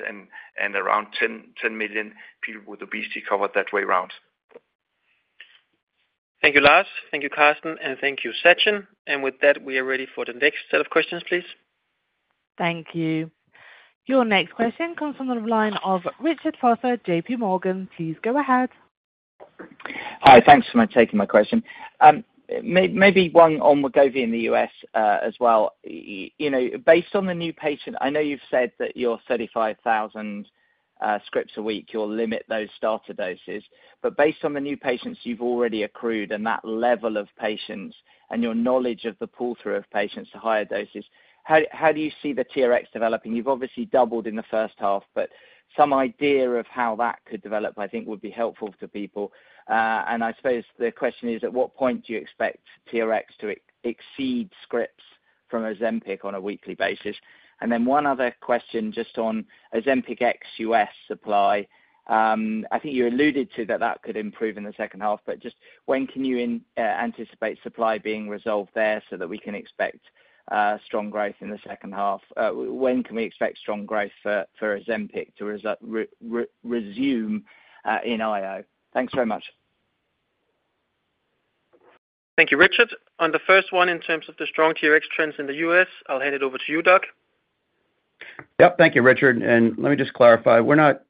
and around 10 million people with obesity covered that way round. Thank you, Lars. Thank you, Karsten, and thank you, Sachin. And with that, we are ready for the next set of questions, please. Thank you. Your next question comes from the line of Richard Vosser, J.P. Morgan. Please go ahead. Hi, thanks for taking my question. Maybe one on Wegovy in the U.S. as well. Based on the new patient, I know you've said that your 35,000 scripts a week, you'll limit those starter doses. But based on the new patients you've already accrued and that level of patients and your knowledge of the pull-through of patients to higher doses, how do you see the TRx developing? You've obviously doubled in the first half, but some idea of how that could develop, I think, would be helpful to people. And I suppose the question is, at what point do you expect TRx to exceed scripts from Ozempic on a weekly basis? And then one other question just on Ozempic XUS supply. I think you alluded to that that could improve in the second half, but just when can you anticipate supply being resolved there so that we can expect strong growth in the second half? When can we expect strong growth for Ozempic to resume in IO? Thanks very much. Thank you, Richard. On the first one, in terms of the strong TRx trends in the U.S., I'll hand it over to you, Doug. Yep, thank you, Richard. Let me just clarify. We're not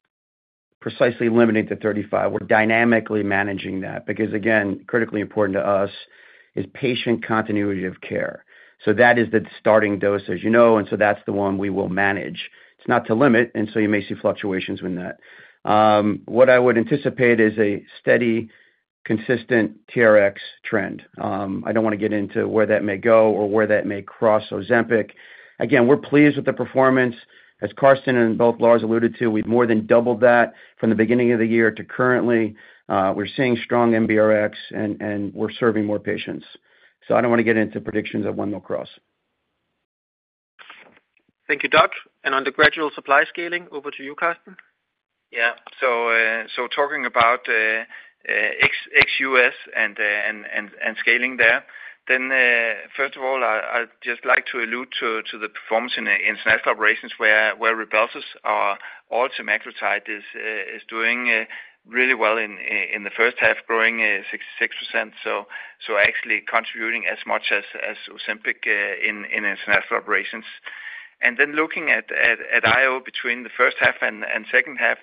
precisely limiting to 35. We're dynamically managing that because, again, critically important to us is patient continuity of care. So that is the starting dosage, and so that's the one we will manage. It's not to limit, and so you may see fluctuations with that. What I would anticipate is a steady, consistent TRx trend. I don't want to get into where that may go or where that may cross Ozempic. Again, we're pleased with the performance. As Karsten and both Lars alluded to, we've more than doubled that from the beginning of the year to currently. We're seeing strong MBRX, and we're serving more patients. So I don't want to get into predictions of when they'll cross. Thank you, Doug. And on the gradual supply scaling, over to you, Karsten. Yeah, so talking about XUS and scaling there, then first of all, I'd just like to allude to the performance in international operations where Rybelsus, our oral semaglutide, is doing really well in the first half, growing 6%, so actually contributing as much as Ozempic in international operations. Then looking at IO between the first half and second half,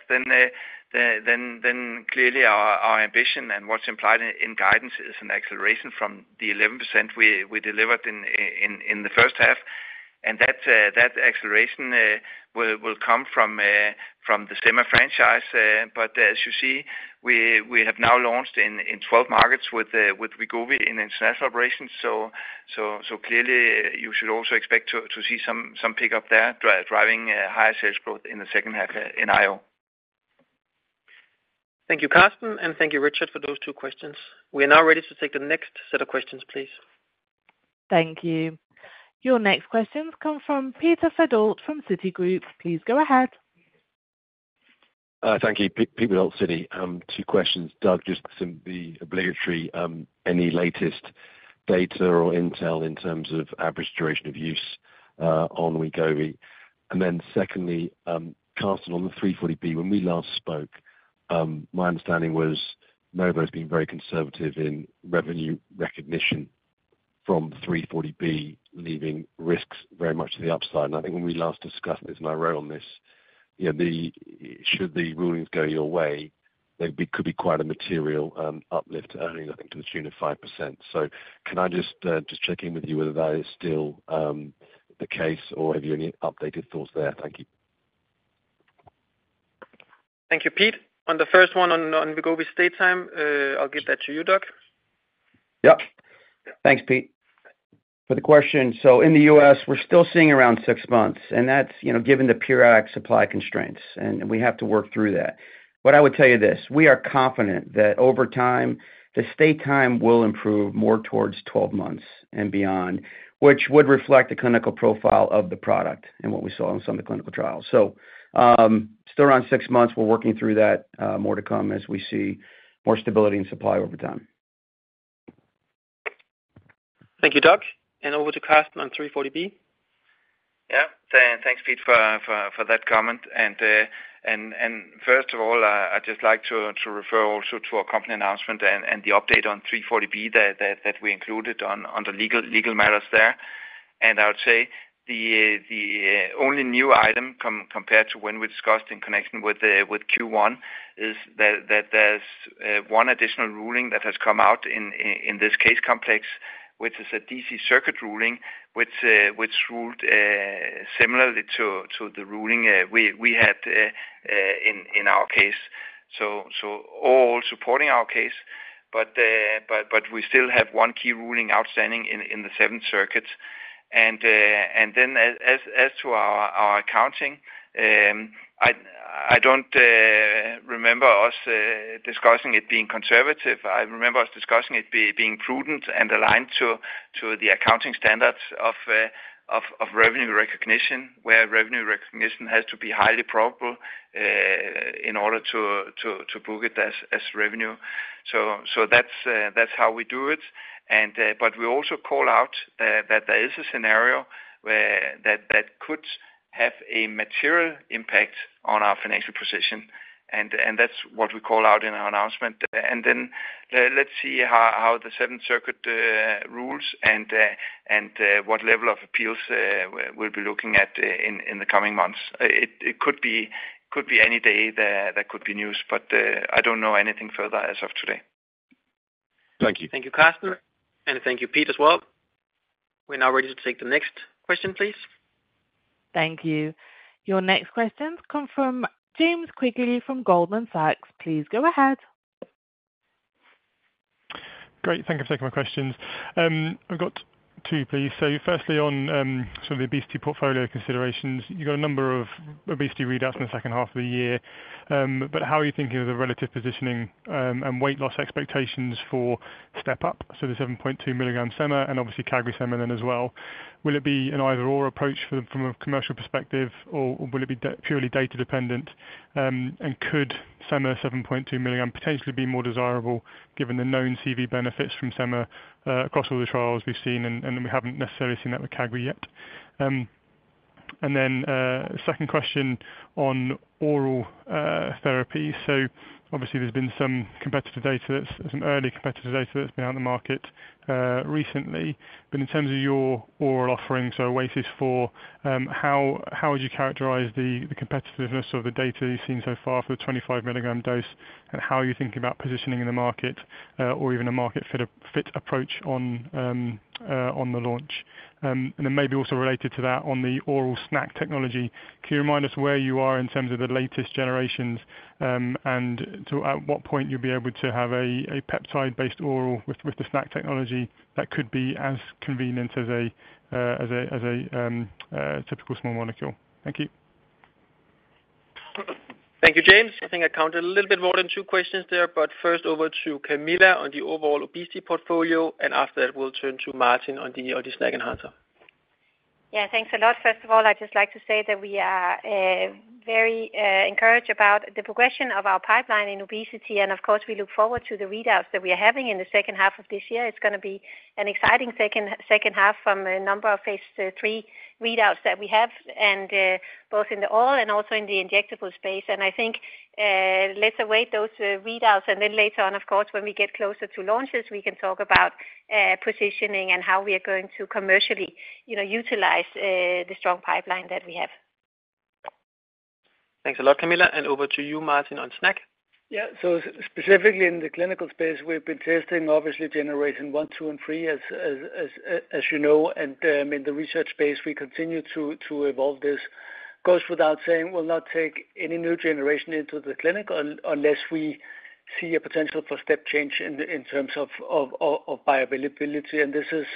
clearly our ambition and what's implied in guidance is an acceleration from the 11% we delivered in the first half. That acceleration will come from the Sema franchise. But as you see, we have now launched in 12 markets with Wegovy in international operations. So clearly, you should also expect to see some pickup there, driving higher sales growth in the second half in IO. Thank you, Karsten, and thank you, Richard, for those two questions. We are now ready to take the next set of questions, please. Thank you. Your next questions come from Peter Verdult from Citi. Please go ahead. Thank you, Peter Verdult from Citi. Two questions. Doug, just the obligatory, any latest data or intel in terms of average duration of use on Wegovy? And then secondly, Karsten, on the 340B, when we last spoke, my understanding was Novo has been very conservative in revenue recognition from the 340B, leaving risks very much to the upside. And I think when we last discussed this and I wrote on this, should the rulings go your way, there could be quite a material uplift to earnings looking to the tune of 5%. So can I just check in with you whether that is still the case, or have you any updated thoughts there? Thank you. Thank you, Pete. On the first one on Wegovy wait time, I'll give that to you, Doug. Yep. Thanks, Pete. For the question, so in the U.S., we're still seeing around six months, and that's given the fill-finish supply constraints, and we have to work through that. But I would tell you this, we are confident that over time, the state time will improve more towards 12 months and beyond, which would reflect the clinical profile of the product and what we saw in some of the clinical trials. So still around six months, we're working through that, more to come as we see more stability in supply over time. Thank you, Doug. And over to Karsten on 340B. Yeah, thanks, Pete, for that comment. And first of all, I'd just like to refer also to our company announcement and the update on 340B that we included on the legal matters there. I would say the only new item compared to when we discussed in connection with Q1 is that there's one additional ruling that has come out in this case complex, which is a D.C. Circuit ruling, which ruled similarly to the ruling we had in our case. All supporting our case, but we still have one key ruling outstanding in the Seventh Circuit. Then as to our accounting, I don't remember us discussing it being conservative. I remember us discussing it being prudent and aligned to the accounting standards of revenue recognition, where revenue recognition has to be highly probable in order to book it as revenue. That's how we do it. But we also call out that there is a scenario that could have a material impact on our financial position. That's what we call out in our announcement. And then let's see how the seventh circuit rules and what level of appeals we'll be looking at in the coming months. It could be any day that could be news, but I don't know anything further as of today. Thank you. Thank you, Karsten. And thank you, Pete, as well. We're now ready to take the next question, please. Thank you. Your next questions come from James Quigley from Goldman Sachs. Please go ahead. Great. Thank you for taking my questions. I've got two, please. So firstly, on sort of the obesity portfolio considerations, you've got a number of obesity readouts in the second half of the year. But how are you thinking of the relative positioning and weight loss expectations for step-up, so the 7.2 milligram SEMA and obviously CagriSema then as well? Will it be an either-or approach from a commercial perspective, or will it be purely data-dependent? Could SEMA 7.2 mg potentially be more desirable given the known CV benefits from SEMA across all the trials we've seen, and we haven't necessarily seen that with CagriSema yet? Second question on oral therapies. Obviously, there's been some early competitive data that's been out in the market recently. But in terms of your oral offering, so OASIS 4, how would you characterize the competitiveness of the data you've seen so far for the 25 mg dose, and how are you thinking about positioning in the market or even a market-fit approach on the launch? And then maybe also related to that, on the oral SNAC technology, can you remind us where you are in terms of the latest generations and at what point you'll be able to have a peptide-based oral with the SNAC technology that could be as convenient as a typical small molecule? Thank you. Thank you, James. I think I counted a little bit more than two questions there, but first over to Camilla on the overall obesity portfolio, and after that, we'll turn to Martin on the SNAC enhancer. Yeah, thanks a lot. First of all, I'd just like to say that we are very encouraged about the progression of our pipeline in obesity, and of course, we look forward to the readouts that we are having in the second half of this year. It's going to be an exciting second half from a number of Phase 3 readouts that we have, both in the oral and also in the injectable space. I think let's await those readouts, and then later on, of course, when we get closer to launches, we can talk about positioning and how we are going to commercially utilize the strong pipeline that we have. Thanks a lot, Camilla. Over to you, Martin, on SNAC. Yeah, so specifically in the clinical space, we've been testing, obviously, generation 1, 2, and 3, as you know, and in the research space, we continue to evolve this. Of course, without saying, we'll not take any new generation into the clinic unless we see a potential for step change in terms of bioavailability. And this is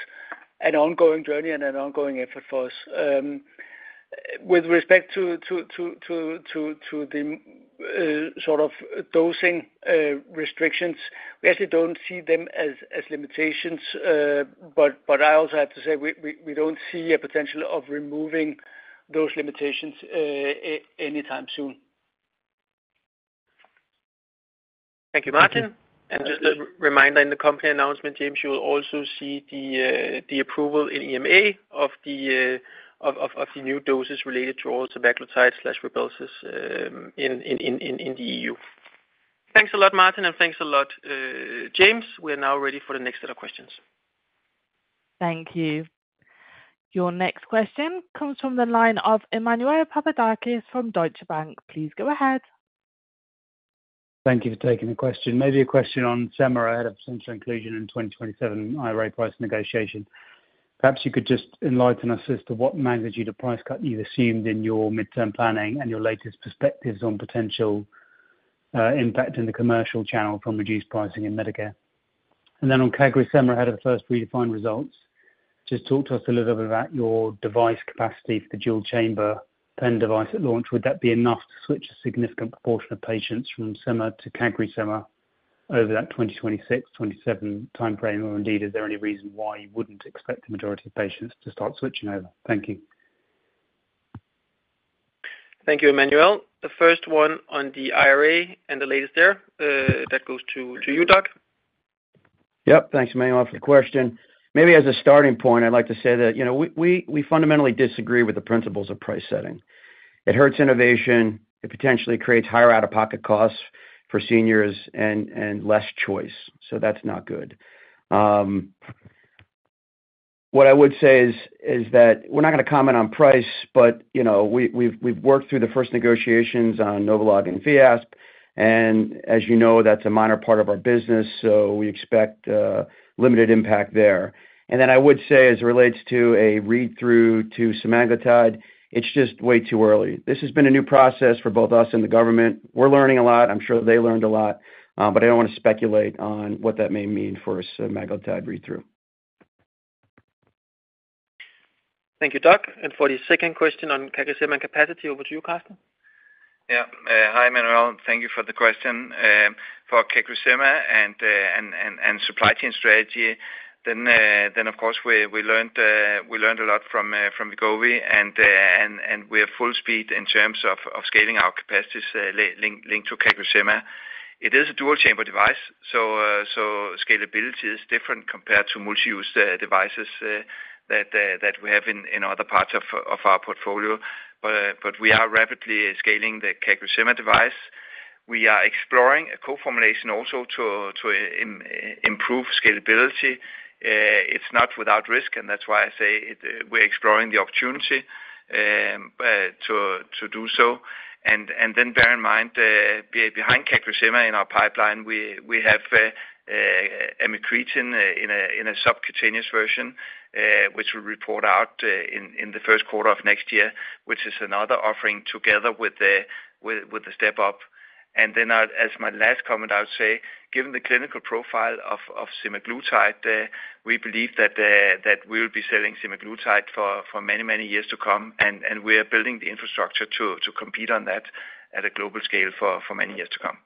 an ongoing journey and an ongoing effort for us. With respect to the sort of dosing restrictions, we actually don't see them as limitations, but I also have to say we don't see a potential of removing those limitations anytime soon. Thank you, Martin. And just a reminder in the company announcement, James, you'll also see the approval in EMA of the new doses related to oral semaglutide/Rybelsus in the E.U.. Thanks a lot, Martin, and thanks a lot, James. We are now ready for the next set of questions. Thank you. Your next question comes from the line of Emmanuel Papadakis from Deutsche Bank. Please go ahead. Thank you for taking the question. Maybe a question on SEMA ahead of central inclusion in 2027 IRA price negotiation. Perhaps you could just enlighten us as to what magnitude of price cut you've assumed in your midterm planning and your latest perspectives on potential impact in the commercial channel from reduced pricing in Medicare? And then on CagriSema ahead of the first predefined results, just talk to us a little bit about your device capacity for the dual chamber pen device at launch. Would that be enough to switch a significant proportion of patients from SEMA to CagriSema over that 2026-2027 timeframe, or indeed, is there any reason why you wouldn't expect the majority of patients to start switching over? Thank you. Thank you, Emmanuel. The first one on the IRA and the latest there, that goes to you, Doug. Yep, thanks, Emmanuel, for the question. Maybe as a starting point, I'd like to say that we fundamentally disagree with the principles of price setting. It hurts innovation. It potentially creates higher out-of-pocket costs for seniors and less choice. So that's not good. What I would say is that we're not going to comment on price, but we've worked through the first negotiations on NovoLog and Fiasp. And as you know, that's a minor part of our business, so we expect limited impact there. And then I would say as it relates to a read-through to semaglutide, it's just way too early. This has been a new process for both us and the government. We're learning a lot. I'm sure they learned a lot, but I don't want to speculate on what that may mean for a semaglutide read-through. Thank you, Doug. And for the second question on CagriSema capacity, over to you, Karsten. Yeah, hi, Emmanuel. Thank you for the question. For CagriSema and supply chain strategy, then of course, we learned a lot from Wegovy, and we are full speed in terms of scaling our capacities linked to CagriSema. It is a dual chamber device, so scalability is different compared to multi-use devices that we have in other parts of our portfolio. But we are rapidly scaling the CagriSema device. We are exploring a co-formulation also to improve scalability. It's not without risk, and that's why I say we're exploring the opportunity to do so. And then bear in mind, behind CagriSema in our pipeline, we have Amycretin in a subcutaneous version, which we'll report out in the first quarter of next year, which is another offering together with the step-up. And then as my last comment, I would say, given the clinical profile of semaglutide, we believe that we will be selling semaglutide for many, many years to come, and we are building the infrastructure to compete on that at a global scale for many years to come.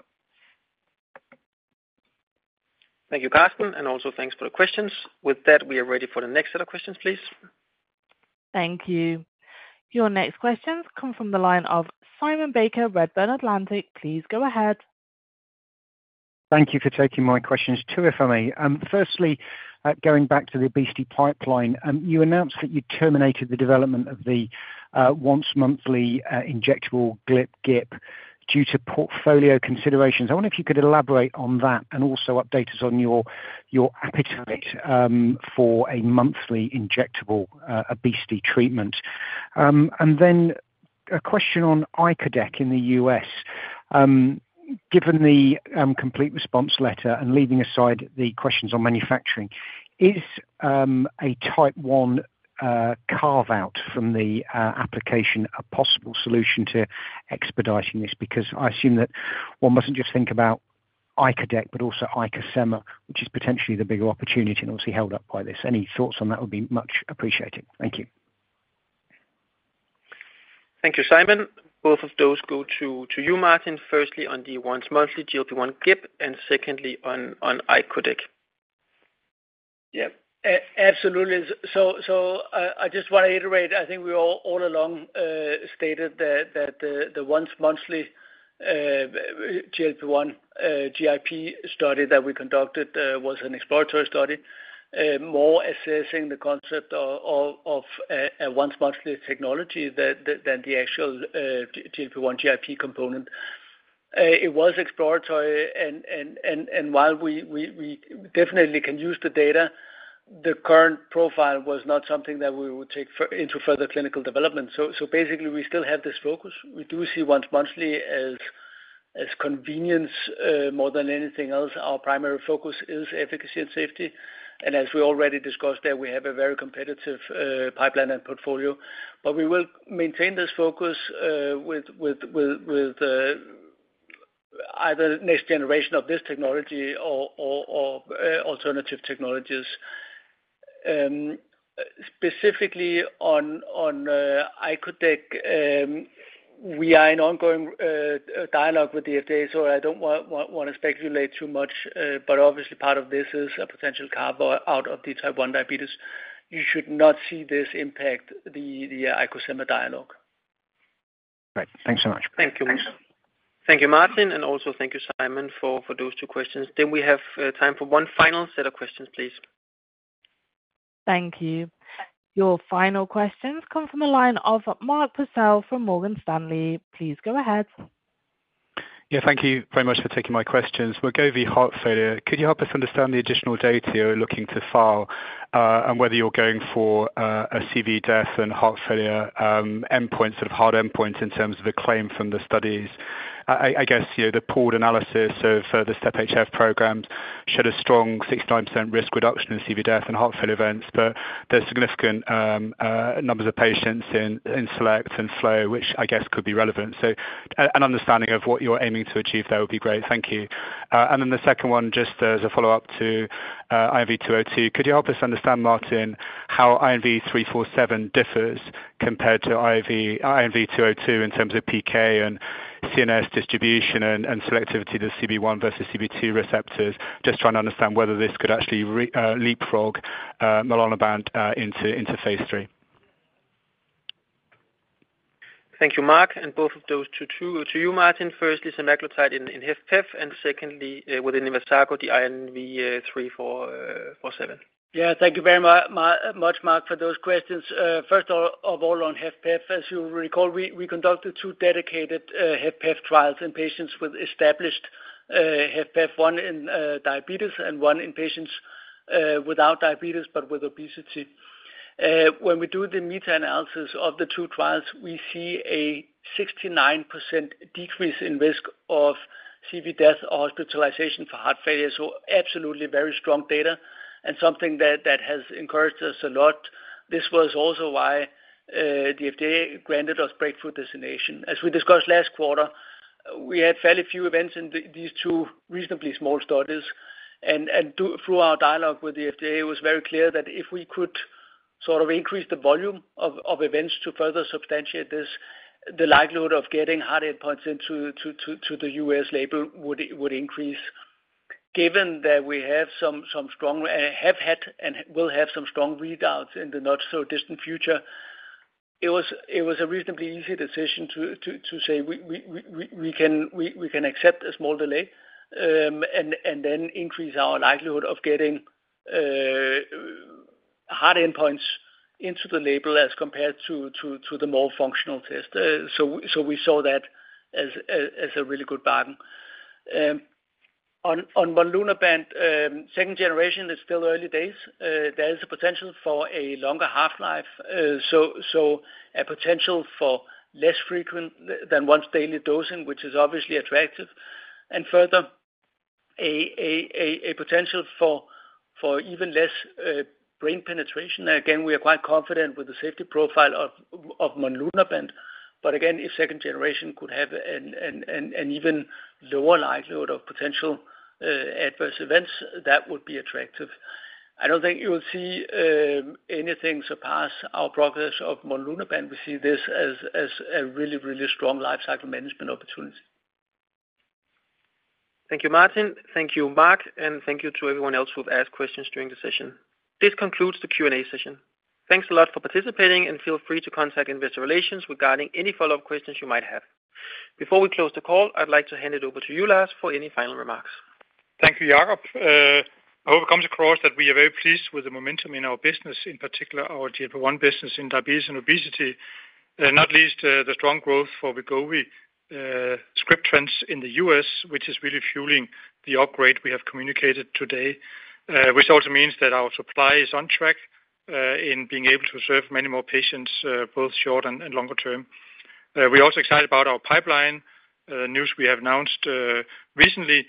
Thank you, Karsten, and also thanks for the questions. With that, we are ready for the next set of questions, please. Thank you. Your next questions come from the line of Simon Baker, Redburn Atlantic. Please go ahead. Thank you for taking my questions too, if I may. Firstly, going back to the obesity pipeline, you announced that you terminated the development of the once-monthly injectable GLP-1/GIP due to portfolio considerations. I wonder if you could elaborate on that and also update us on your appetite for a monthly injectable obesity treatment. And then a question on Icodec in the U.S.. Given the complete response letter and leaving aside the questions on manufacturing, is a Type 1 carve-out from the application a possible solution to expediting this? Because I assume that one mustn't just think about icodec, but also Icosema, which is potentially the bigger opportunity and obviously held up by this. Any thoughts on that would be much appreciated. Thank you. Thank you, Simon. Both of those go to you, Martin. Firstly, on the once-monthly GLP-1/GIP, and secondly, on icodec. Yeah, absolutely. So I just want to iterate. I think we all along stated that the once-monthly GLP-1/GIP study that we conducted was an exploratory study, more assessing the concept of a once-monthly technology than the actual GLP-1/GIP component. It was exploratory, and while we definitely can use the data, the current profile was not something that we would take into further clinical development. So basically, we still have this focus. We do see once-monthly as convenience more than anything else. Our primary focus is efficacy and safety. And as we already discussed there, we have a very competitive pipeline and portfolio, but we will maintain this focus with either the next generation of this technology or alternative technologies. Specifically on icodec, we are in ongoing dialogue with the FDA, so I don't want to speculate too much, but obviously part of this is a potential carve-out of the type 1 diabetes. You should not see this impact the Icosema dialogue. Right. Thanks so much. Thank you, Martin. Thank you, Martin, and also thank you, Simon, for those two questions. Then we have time for one final set of questions, please. Thank you. Your final questions come from the line of Mark Purcell from Morgan Stanley. Please go ahead. Yeah, thank you very much for taking my questions. Wegovy heart failure, could you help us understand the additional data you're looking to file and whether you're going for a CV death and heart failure endpoints, sort of hard endpoints in terms of the claim from the studies? I guess the pooled analysis of the STEP HF programs showed a strong 69% risk reduction in CV death and heart failure events, but there's significant numbers of patients in select and flow, which I guess could be relevant. So an understanding of what you're aiming to achieve there would be great. Thank you. And then the second one, just as a follow-up to INV-202, could you help us understand, Martin, how INV-347 differs compared to INV-202 in terms of PK and CNS distribution and selectivity of the CB1 vs CB2 receptors? Just trying to understand whether this could actually leapfrog monlunabant into Phase 3. Thank you, Mark. And both of those to you, Martin. Firstly, semaglutide in HFpEF, and secondly, within Icosema, the INV-347. Yeah, thank you very much, Mark, for those questions. First of all, on HFpEF, as you recall, we conducted two dedicated HFpEF trials in patients with established HFpEF, one in diabetes and one in patients without diabetes but with obesity. When we do the meta-analysis of the two trials, we see a 69% decrease in risk of CV death or hospitalization for heart failure. So absolutely very strong data and something that has encouraged us a lot. This was also why the FDA granted us breakthrough designation. As we discussed last quarter, we had fairly few events in these two reasonably small studies. And through our dialogue with the FDA, it was very clear that if we could sort of increase the volume of events to further substantiate this, the likelihood of getting hard endpoints into the U.S. label would increase. Given that we have some strong, have had, and will have some strong readouts in the not-so-distant future, it was a reasonably easy decision to say we can accept a small delay and then increase our likelihood of getting hard endpoints into the label as compared to the more functional test. So we saw that as a really good bargain. On Monlunabant, second generation, it's still early days. There is a potential for a longer half-life, so a potential for less frequent than once-daily dosing, which is obviously attractive. And further, a potential for even less brain penetration. Again, we are quite confident with the safety profile of monlunabant, but again, a second generation could have an even lower likelihood of potential adverse events that would be attractive. I don't think you will see anything surpass our progress of monlunabant. We see this as a really, really strong lifecycle management opportunity. Thank you, Martin. Thank you, Mark, and thank you to everyone else who've asked questions during the session. This concludes the Q&A session. Thanks a lot for participating, and feel free to contact Investor Relations regarding any follow-up questions you might have. Before we close the call, I'd like to hand it over to you, Lars, for any final remarks. Thank you, Jacob. I hope it comes across that we are very pleased with the momentum in our business, in particular our GLP-1 business in diabetes and obesity, and not least the strong growth for Wegovy script trends in the U.S., which is really fueling the upgrade we have communicated today, which also means that our supply is on track in being able to serve many more patients, both short and longer term. We're also excited about our pipeline news we have announced recently,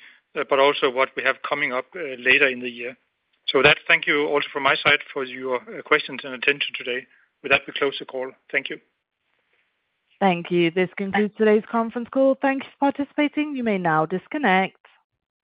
but also what we have coming up later in the year. So with that, thank you also from my side for your questions and attention today. With that, we close the call. Thank you. Thank you. This concludes today's conference call. Thank you for participating. You may now disconnect.